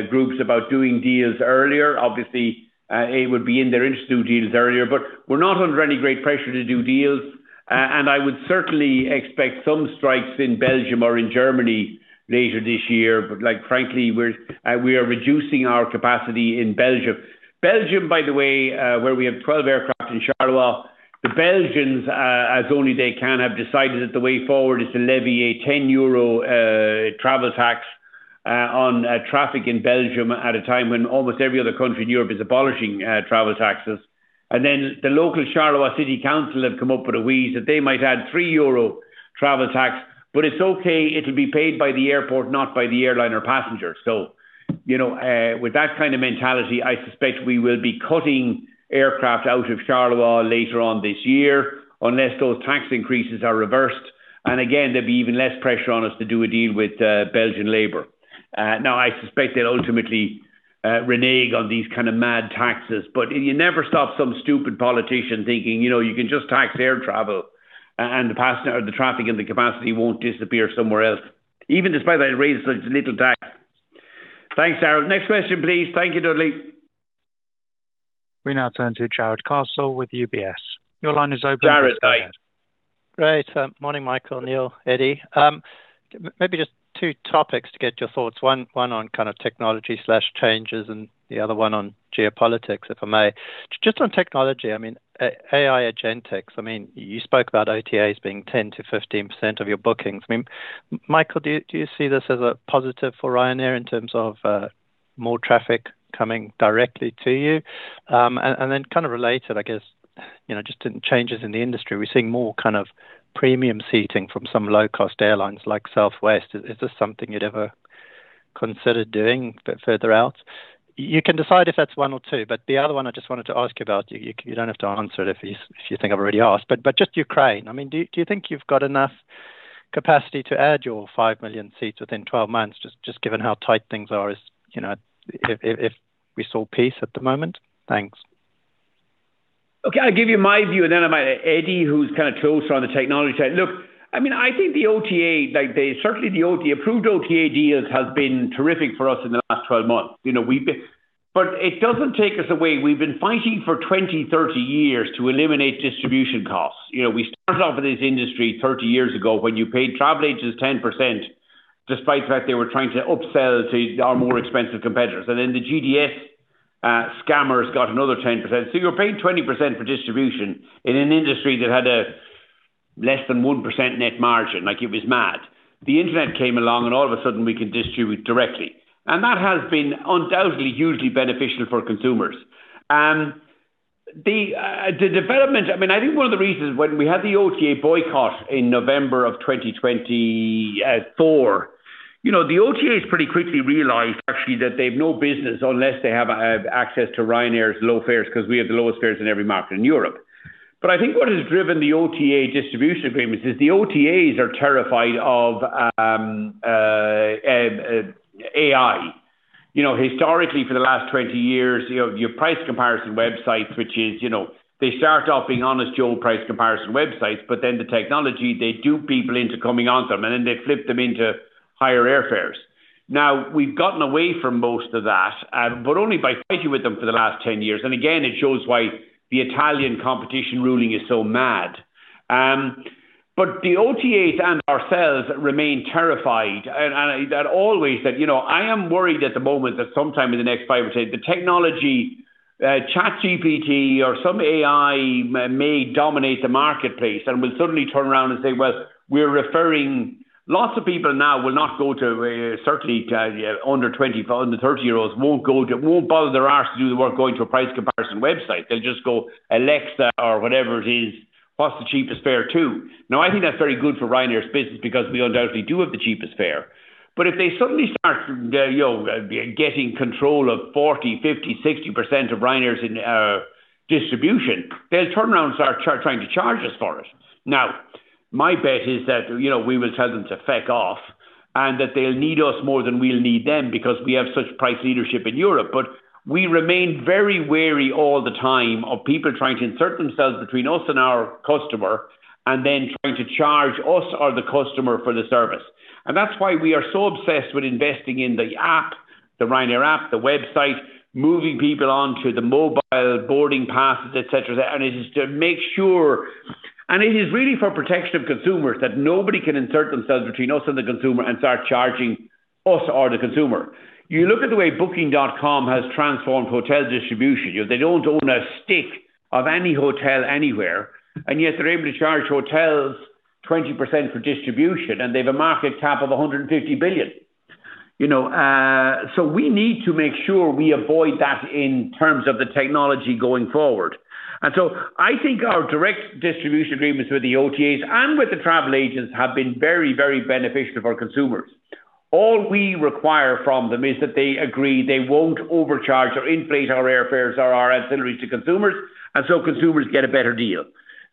groups about doing deals earlier. Obviously, it would be in their interest to do deals earlier, but we're not under any great pressure to do deals. And I would certainly expect some strikes in Belgium or in Germany later this year. But like, frankly, we are reducing our capacity in Belgium. Belgium, by the way, where we have 12 aircraft in Charleroi, the Belgians, as only they can, have decided that the way forward is to levy a 10 euro travel tax on traffic in Belgium at a time when almost every other country in Europe is abolishing travel taxes. And then the local Charleroi City Council have come up with a wheeze, that they might add 3 euro travel tax, but it's okay, it'll be paid by the airport, not by the airliner passenger. So, you know, with that kind of mentality, I suspect we will be cutting aircraft out of Charleroi later on this year, unless those tax increases are reversed. And again, there'd be even less pressure on us to do a deal with Belgian labor. Now, I suspect they'll ultimately renege on these kind of mad taxes, but you never stop some stupid politician thinking, you know, you can just tax air travel and the passenger, or the traffic and the capacity won't disappear somewhere else, even despite that it raises such little tax. Thanks, Darrell. Next question, please. Thank you, Dudley. We now turn to Jarrod Castle with UBS. Your line is open. Jarrod, hi. Great. Morning, Michael, Neil, Eddie. Maybe just two topics to get your thoughts. One on kind of technology/changes and the other one on geopolitics, if I may. Just on technology, I mean, AI agentics, I mean, you spoke about OTAs being 10%-15% of your bookings. I mean, Michael, do you see this as a positive for Ryanair in terms of more traffic coming directly to you? And then kind of related, I guess, you know, just in changes in the industry, we're seeing more kind of premium seating from some low-cost airlines like Southwest. Is this something you'd ever consider doing a bit further out? You can decide if that's one or two, but the other one I just wanted to ask you about. You don't have to answer it if you think I've already asked, but just Ukraine. I mean, do you think you've got enough capacity to add your 5 million seats within 12 months, just given how tight things are as you know, if we saw peace at the moment? Thanks. Okay, I'll give you my view, and then I might Eddie, who's kind of closer on the technology side. Look, I mean, I think the OTA, like, they certainly the OTA-approved OTA deals has been terrific for us in the last 12 months. You know, we've been—but it doesn't take us away. We've been fighting for 20, 30 years to eliminate distribution costs. You know, we started off in this industry 30 years ago, when you paid travel agencies 10%, despite the fact they were trying to upsell to our more expensive competitors. And then the GDS scammers got another 10%. So you're paying 20% for distribution in an industry that had a less than 1% net margin, like it was mad. The internet came along, and all of a sudden we can distribute directly. And that has been undoubtedly hugely beneficial for consumers. And the development—I mean, I think one of the reasons when we had the OTA boycott in November of 2024, you know, the OTAs pretty quickly realized actually that they have no business unless they have access to Ryanair's low fares, because we have the lowest fares in every market in Europe. But I think what has driven the OTA distribution agreements is the OTAs are terrified of AI. You know, historically, for the last 20 years, you know, your price comparison websites, which is, you know, they start off being honest, old price comparison websites, but then the technology, they dupe people into coming onto them, and then they flip them into higher airfares. Now, we've gotten away from most of that, but only by fighting with them for the last 10 years. And again, it shows why the Italian competition ruling is so mad. But the OTAs and ourselves remain terrified, and, and I'd always said, you know, I am worried at the moment that sometime in the next 5 or 10, the technology, ChatGPT or some AI may dominate the marketplace and will suddenly turn around and say, "Well, we're referring." Lots of people now will not go to, certainly, under 20, under 30-year-olds, won't bother their ass to do the work, going to a price comparison website. They'll just go, "Alexa," or whatever it is, "What's the cheapest fare to?" Now, I think that's very good for Ryanair's business because we undoubtedly do have the cheapest fare. But if they suddenly start, you know, getting control of 40%, 50%, 60% of Ryanair's in, distribution, they'll turn around and start trying to charge us for it. Now, my bet is that, you know, we will tell them to feck off, and that they'll need us more than we'll need them, because we have such price leadership in Europe. But we remain very wary all the time of people trying to insert themselves between us and our customer, and then trying to charge us or the customer for the service. And that's why we are so obsessed with investing in the app, the Ryanair app, the website, moving people onto the mobile boarding passes, et cetera. And it is to make sure. And it is really for protection of consumers, that nobody can insert themselves between us and the consumer and start charging for us or the consumer. You look at the way Booking.com has transformed hotel distribution. You know, they don't own a stick of any hotel anywhere, and yet they're able to charge hotels 20% for distribution, and they have a market cap of 150 billion. You know, so we need to make sure we avoid that in terms of the technology going forward. And so I think our direct distribution agreements with the OTAs and with the travel agents have been very, very beneficial to our consumers. All we require from them is that they agree they won't overcharge or inflate our airfares or our ancillaries to consumers, and so consumers get a better deal.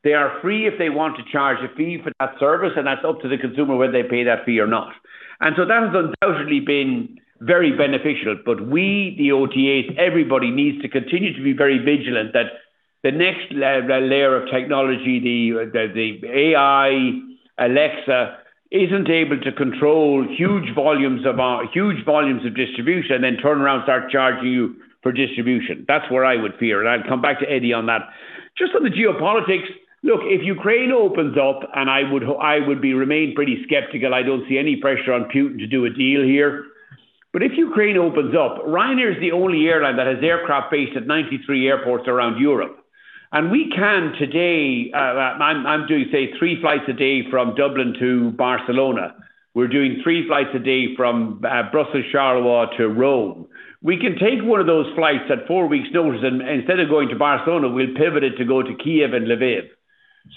They are free if they want to charge a fee for that service, and that's up to the consumer whether they pay that fee or not. And so that has undoubtedly been very beneficial, but we, the OTAs, everybody needs to continue to be very vigilant that the next layer of technology, the AI, Alexa, isn't able to control huge volumes of our distribution and then turn around and start charging you for distribution. That's where I would fear, and I'll come back to Eddie on that. Just on the geopolitics, look, if Ukraine opens up, and I would remain pretty skeptical, I don't see any pressure on Putin to do a deal here. But if Ukraine opens up, Ryanair is the only airline that has aircraft based at 93 airports around Europe. And we can today, I'm doing, say, three flights a day from Dublin to Barcelona. We're doing three flights a day from Brussels, Charleroi to Rome. We can take one of those flights at four weeks' notice, and instead of going to Barcelona, we'll pivot it to go to Kyiv and Lviv.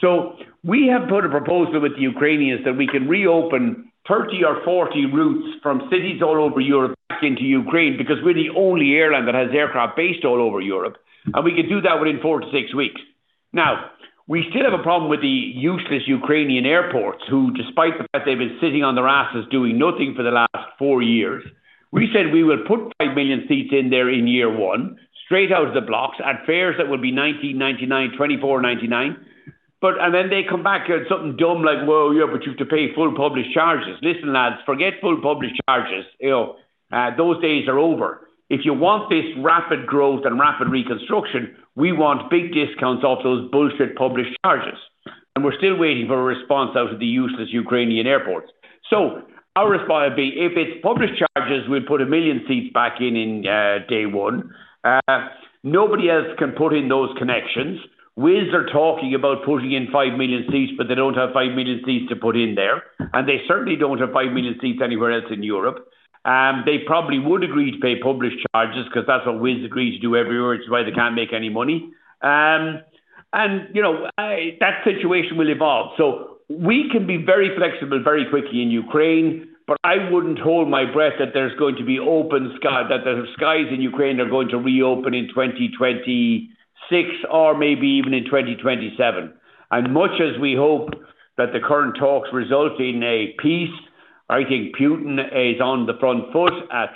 So we have put a proposal with the Ukrainians that we can reopen 30 or 40 routes from cities all over Europe back into Ukraine, because we're the only airline that has aircraft based all over Europe, and we can do that within four-six weeks. Now, we still have a problem with the useless Ukrainian airports, who, despite the fact they've been sitting on their asses doing nothing for the last four years, we said we will put 5 million seats in there in year one, straight out of the blocks, at fares that would be 19.99, 24.99. Then they come back with something dumb like, "Well, yeah, but you have to pay full published charges." Listen, lads, forget full published charges. You know, those days are over. If you want this rapid growth and rapid reconstruction, we want big discounts off those bullshit published charges, and we're still waiting for a response out of the useless Ukrainian airports. So our response would be, if it's published charges, we'll put 1 million seats back in in day one. Nobody else can put in those connections. Wizz are talking about putting in 5 million seats, but they don't have 5 million seats to put in there, and they certainly don't have 5 million seats anywhere else in Europe. They probably would agree to pay published charges, 'cause that's what Wizz agrees to do everywhere, which is why they can't make any money. And, you know, that situation will evolve. So we can be very flexible very quickly in Ukraine, but I wouldn't hold my breath that there's going to be open sky - that the skies in Ukraine are going to reopen in 2026 or maybe even in 2027. And much as we hope that the current talks result in a peace, I think Putin is on the front foot.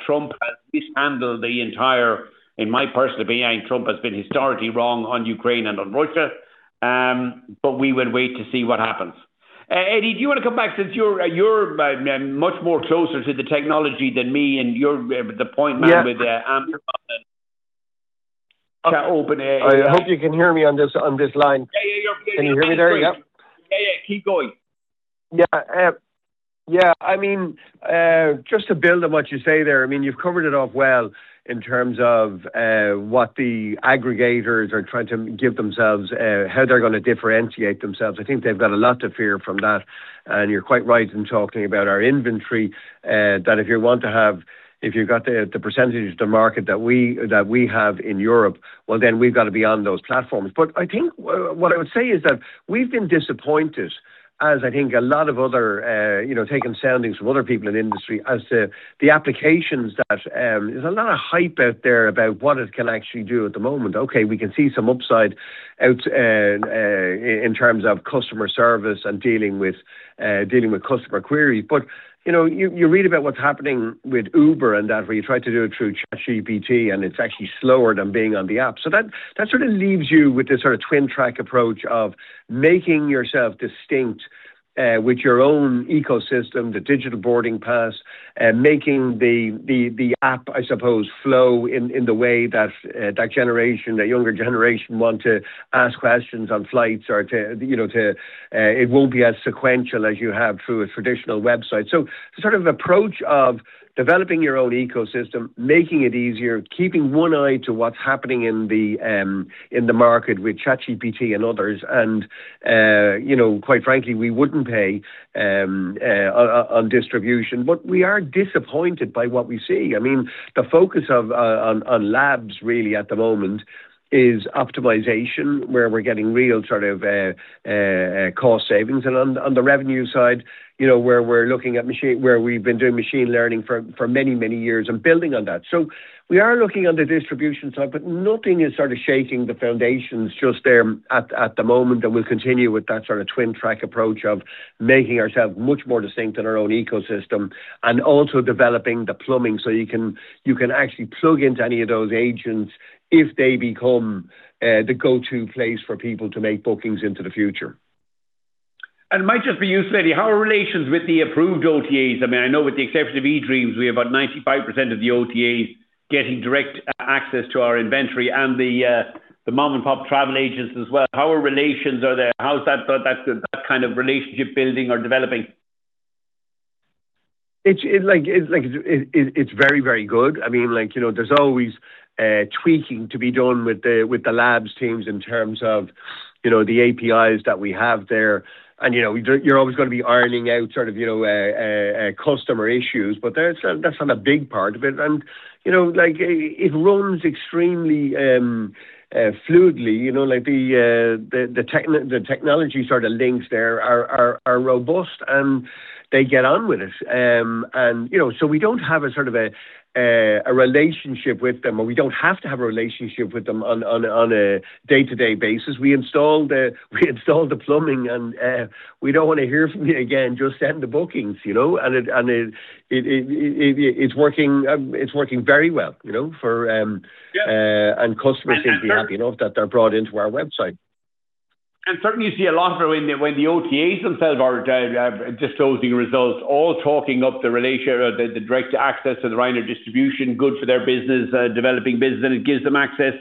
Trump has mishandled the entire... In my personal opinion, Trump has been historically wrong on Ukraine and on Russia, but we will wait to see what happens. Eddie, do you want to come back since you're much more closer to the technology than me, and you're the point man with Amazon and OpenAI. I hope you can hear me on this, on this line. Can you hear me there? Yeah. Yeah, yeah. Keep going. Yeah, yeah, I mean, just to build on what you say there, I mean, you've covered it off well in terms of, what the aggregators are trying to give themselves, how they're gonna differentiate themselves. I think they've got a lot to fear from that. And you're quite right in talking about our inventory, that if you've got the percentage of the market that we have in Europe, well, then we've got to be on those platforms. But I think what I would say is that we've been disappointed, as I think a lot of other, you know, taking soundings from other people in the industry, as to the applications that, there's a lot of hype out there about what it can actually do at the moment. Okay, we can see some upside out in terms of customer service and dealing with dealing with customer queries. But, you know, you read about what's happening with Uber and that, where you try to do it through ChatGPT, and it's actually slower than being on the app. So that sort of leaves you with this sort of twin track approach of making yourself distinct with your own ecosystem, the digital boarding pass, making the app, I suppose, flow in the way that that generation, that younger generation, want to ask questions on flights or to, you know, to it won't be as sequential as you have through a traditional website. So sort of approach of developing your own ecosystem, making it easier, keeping one eye to what's happening in the market with ChatGPT and others. And you know, quite frankly, we wouldn't pay on distribution, but we are disappointed by what we see. I mean, the focus on labs really at the moment is optimization, where we're getting real sort of cost savings. And on the revenue side, you know, where we're looking at machine learning, where we've been doing machine learning for many, many years and building on that. So we are looking on the distribution side, but nothing is sort of shaking the foundations just at the moment, and we'll continue with that sort of twin track approach of making ourselves much more distinct in our own ecosystem and also developing the plumbing. You can, you can actually plug into any of those agents if they become the go-to place for people to make bookings into the future. It might just be useful, Eddie. How are relations with the approved OTAs? I mean, I know with the exception of eDreams, we have about 95% of the OTAs getting direct access to our inventory and the mom-and-pop travel agents as well. How are relations there? How's that kind of relationship building or developing? It's very, very good. I mean, like, you know, there's always tweaking to be done with the labs teams in terms of, you know, the APIs that we have there. And, you know, we don't—you're always gonna be ironing out sort of, you know, customer issues, but that's not a big part of it. And, you know, like, it runs extremely fluidly, you know, like the technology sort of links there are robust, and they get on with it. And, you know, so we don't have a sort of a relationship with them, or we don't have to have a relationship with them on a day-to-day basis. We installed the plumbing, and we don't wanna hear from you again, just send the bookings, you know? And it's working very well, you know, for customers seem to be happy enough that they're brought into our website. And certainly, you see a lot of them when the, when the OTAs themselves are, disclosing results, all talking up the relation or the, the direct access to the Ryanair distribution, good for their business, developing business, and it gives them access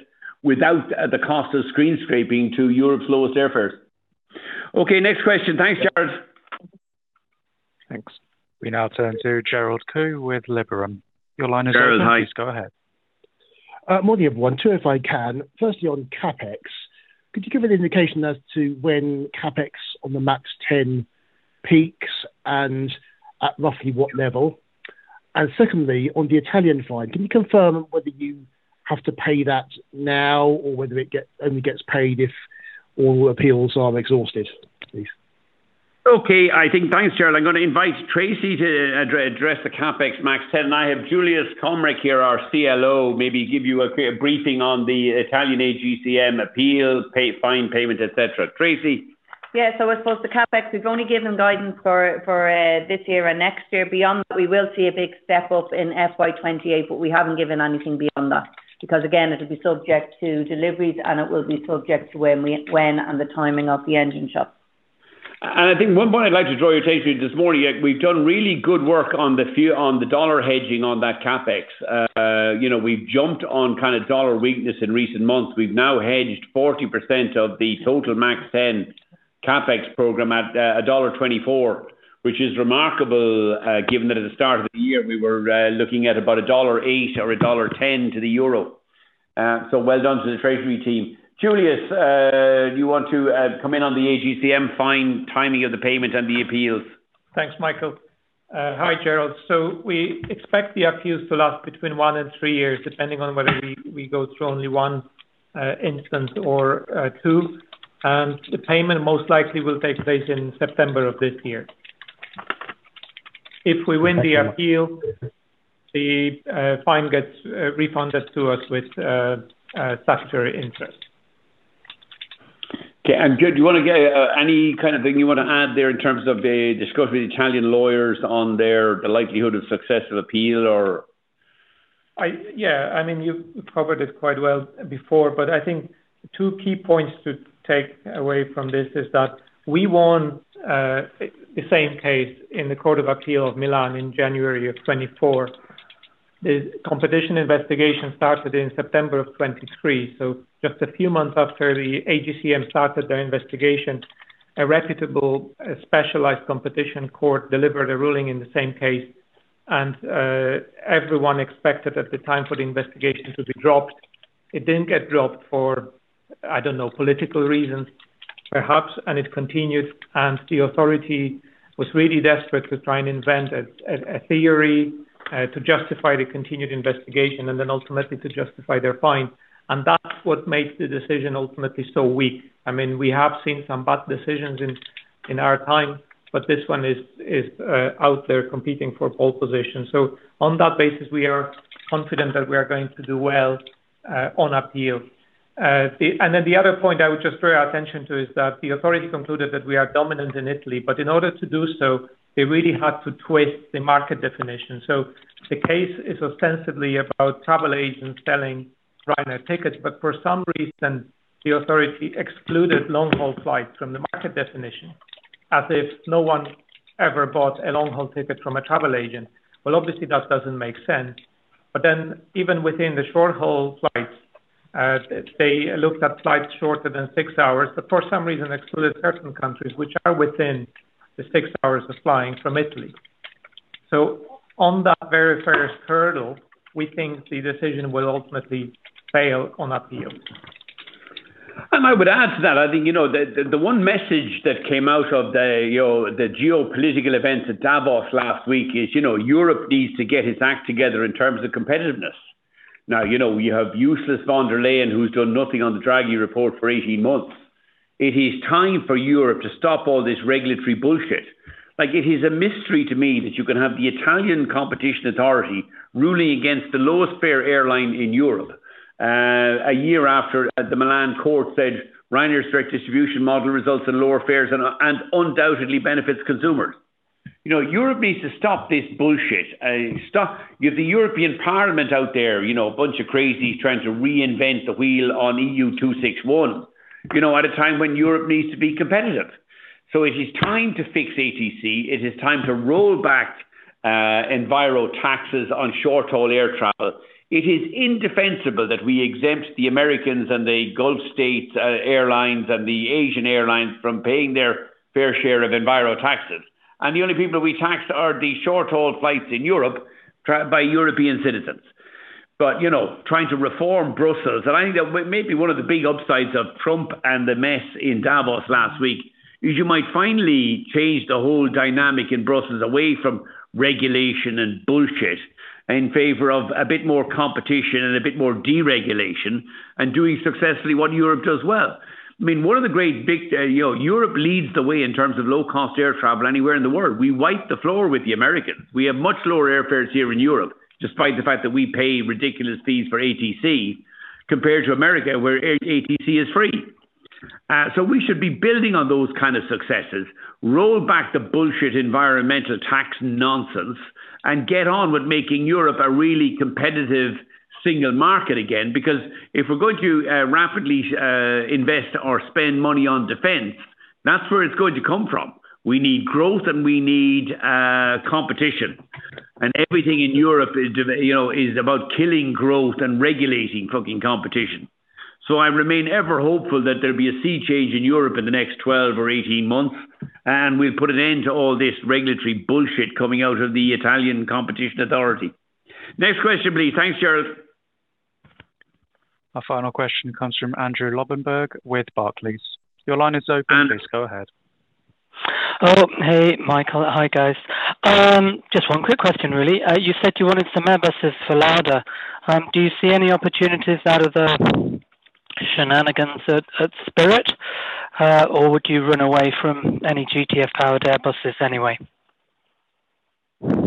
without the cost of screen scraping to Europe's lowest airfares. Okay, next question. Thanks, Jarrod. Thanks. We now turn to Gerald Khoo with Liberum. Your line is open. Please, go ahead. Gerald, hi. More than one, two, if I can. Firstly, on CapEx. Could you give an indication as to when CapEx on the MAX 10 peaks and at roughly what level? And secondly, on the Italian fine, can you confirm whether you have to pay that now or whether it only gets paid if all appeals are exhausted, please? Okay, I think thanks, Gerald. I'm gonna invite Tracey to address the CapEx MAX 10. I have Juliusz Komorek here, our CLO, maybe give you a clear briefing on the Italian AGCM appeals, pay, fine payment, et cetera. Tracey? Yeah, so as opposed to CapEx, we've only given guidance for this year and next year. Beyond that, we will see a big step up in FY 2028, but we haven't given anything beyond that. Because, again, it'll be subject to deliveries, and it will be subject to when and the timing of the engine shop. I think one point I'd like to draw your attention to this morning, we've done really good work on the dollar hedging on that CapEx. You know, we've jumped on kind of dollar weakness in recent months. We've now hedged 40% of the total MAX 10 CapEx program at $1.24, which is remarkable, given that at the start of the year, we were looking at about $1.08 or $1.10 to the euro. So well done to the treasury team. Juliusz, do you want to come in on the AGCM fine, timing of the payment and the appeals? Thanks, Michael. Hi, Gerald. So we expect the appeals to last between one and three years, depending on whether we go through only one instance or two. And the payment most likely will take place in September of this year. If we win the appeal, the fine gets refunded to us with statutory interest. Okay, and Juliusz, you wanna get any kind of thing you wanna add there in terms of the discussion with Italian lawyers on their, the likelihood of successful appeal or? Yeah, I mean, you've covered it quite well before, but I think two key points to take away from this is that we won the same case in the Court of Appeal of Milan in January of 2024. The competition investigation started in September of 2023, so just a few months after the AGCM started their investigation, a reputable specialized competition court delivered a ruling in the same case, and everyone expected at the time for the investigation to be dropped. It didn't get dropped for, I don't know, political reasons, perhaps, and it continued, and the authority was really desperate to try and invent a theory to justify the continued investigation and then ultimately to justify their fine. And that's what makes the decision ultimately so weak. I mean, we have seen some bad decisions in our time, but this one is out there competing for a pole position. So on that basis, we are confident that we are going to do well on appeal. And then the other point I would just draw our attention to is that the authority concluded that we are dominant in Italy, but in order to do so, they really had to twist the market definition. So the case is ostensibly about travel agents selling Ryanair tickets, but for some reason, the authority excluded long-haul flights from the market definition, as if no one ever bought a long-haul ticket from a travel agent. Well, obviously, that doesn't make sense. But then, even within the short-haul flights, they looked at flights shorter than six hours, but for some reason excluded certain countries, which are within the six hours of flying from Italy. So on that very first hurdle, we think the decision will ultimately fail on appeal. And I would add to that, I think, you know, the one message that came out of the, you know, the geopolitical events at Davos last week is, you know, Europe needs to get its act together in terms of competitiveness. Now, you know, you have useless von der Leyen, who's done nothing on the Draghi report for 18 months. It is time for Europe to stop all this regulatory bullshit. Like, it is a mystery to me that you can have the Italian competition authority ruling against the lowest fare airline in Europe, a year after, the Milan court said, "Ryanair's direct distribution model results in lower fares and undoubtedly benefits consumers." You know, Europe needs to stop this bullshit, stop. You have the European Parliament out there, you know, a bunch of crazies trying to reinvent the wheel on EU261, you know, at a time when Europe needs to be competitive. So it is time to fix ATC, it is time to roll back enviro taxes on short-haul air travel. It is indefensible that we exempt the Americans and the Gulf States airlines and the Asian airlines from paying their fair share of enviro taxes, and the only people we tax are the short-haul flights in Europe by European citizens. But, you know, trying to reform Brussels, and I think that may, maybe one of the big upsides of Trump and the mess in Davos last week, is you might finally change the whole dynamic in Brussels away from regulation and bullshit, in favor of a bit more competition and a bit more deregulation, and doing successfully what Europe does well. I mean, one of the great big, you know, Europe leads the way in terms of low-cost air travel anywhere in the world. We wipe the floor with the Americans. We have much lower airfares here in Europe, despite the fact that we pay ridiculous fees for ATC, compared to America, where ATC is free. So we should be building on those kind of successes, roll back the bullshit environmental tax nonsense, and get on with making Europe a really competitive single market again, because if we're going to rapidly invest or spend money on defense, that's where it's going to come from. We need growth and we need competition. And everything in Europe is, you know, about killing growth and regulating fucking competition. So I remain ever hopeful that there'll be a sea change in Europe in the next 12 or 18 months, and we'll put an end to all this regulatory bullshit coming out of the Italian competition authority. Next question, please. Thanks, Gerald. Our final question comes from Andrew Lobbenberg with Barclays. Your line is open. Please, go ahead. Oh, hey, Michael. Hi, guys. Just one quick question really. You said you wanted some Airbuses for Lauda. Do you see any opportunities out of the shenanigans at Spirit? Or would you run away from any GTF-powered Airbuses anyway? No,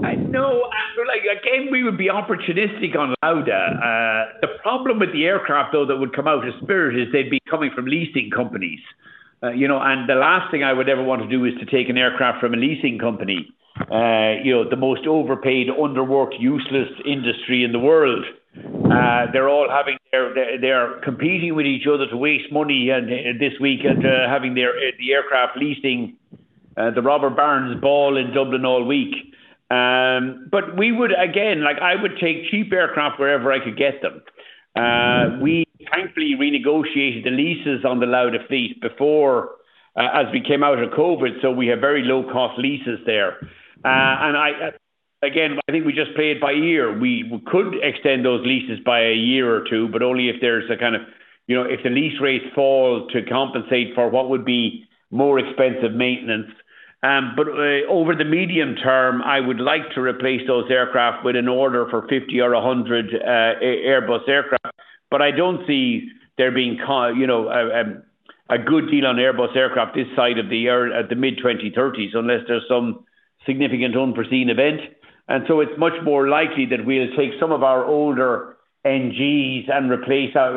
Andrew, like, again, we would be opportunistic on Lauda. The problem with the aircraft, though, that would come out of Spirit, is they'd be coming from leasing companies. You know, and the last thing I would ever want to do is to take an aircraft from a leasing company. You know, the most overpaid, underworked, useless industry in the world. They're all having their... They are competing with each other to waste money and this week at having their the aircraft leasing the Robber Barons' Ball in Dublin all week. But we would again, like, I would take cheap aircraft wherever I could get them. We thankfully renegotiated the leases on the Lauda fleet before, as we came out of COVID, so we have very low-cost leases there. And again, I think we just play it by ear. We could extend those leases by a year or two, but only if there's a kind of, you know, if the lease rates fall to compensate for what would be more expensive maintenance. But over the medium term, I would like to replace those aircraft with an order for 50 or 100 Airbus aircraft. But I don't see there being you know, a good deal on Airbus aircraft this side of the year, the mid-2030s, unless there's some significant unforeseen event. And so it's much more likely that we'll take some of our older NGs and replace out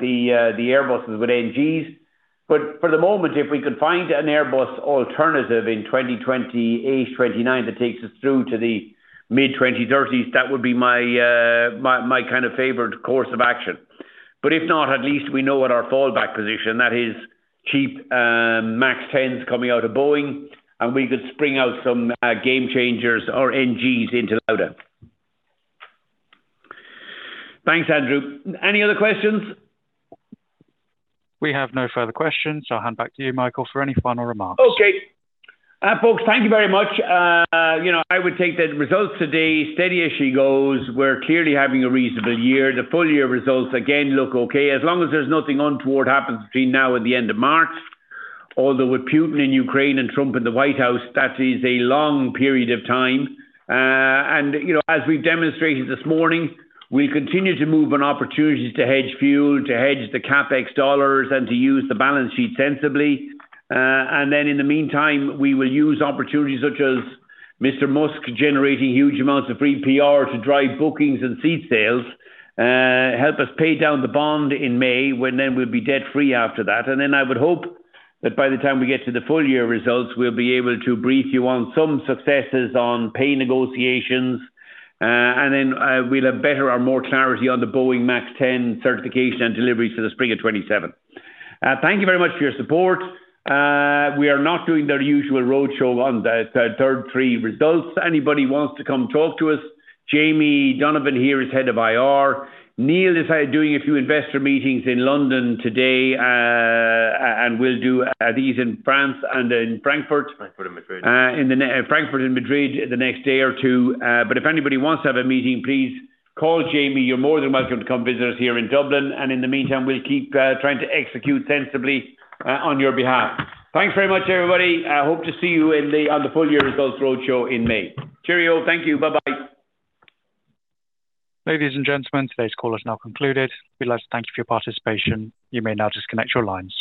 the Airbuses with NGs. But for the moment, if we could find an Airbus alternative in 2028, 2029, that takes us through to the mid-2030s, that would be my kind of favored course of action. But if not, at least we know what our fallback position is, that is cheap MAX 10s coming out of Boeing, and we could spring out some Gamechangers or NGs into Lauda. Thanks, Andrew. Any other questions? We have no further questions. I'll hand back to you, Michael, for any final remarks. Okay. Folks, thank you very much. You know, I would take the results today, steady as she goes. We're clearly having a reasonable year. The full year results again look okay. As long as there's nothing untoward happens between now and the end of March. Although with Putin in Ukraine and Trump in the White House, that is a long period of time. You know, as we've demonstrated this morning, we continue to move on opportunities to hedge fuel, to hedge the CapEx dollars, and to use the balance sheet sensibly. And then in the meantime, we will use opportunities such as Mr. Musk generating huge amounts of free PR to drive bookings and seat sales, help us pay down the bond in May, when then we'll be debt free after that. And then I would hope that by the time we get to the full year results, we'll be able to brief you on some successes on pay negotiations, and then we'll have better or more clarity on the Boeing MAX 10 certification and deliveries for the spring of 2027. Thank you very much for your support. We are not doing the usual roadshow on the Q3 results. Anybody who wants to come talk to us, Jamie Donovan here is head of IR. Neil is doing a few investor meetings in London today, and will do these in France and in Frankfurt. Frankfurt and Madrid. In the next Frankfurt and Madrid, the next day or two. But if anybody wants to have a meeting, please call Jamie. You're more than welcome to come visit us here in Dublin, and in the meantime, we'll keep trying to execute sensibly on your behalf. Thanks very much, everybody. I hope to see you on the full year results roadshow in May. Cheerio. Thank you. Bye-bye. Ladies and gentlemen, today's call is now concluded. We'd like to thank you for your participation. You may now disconnect your lines.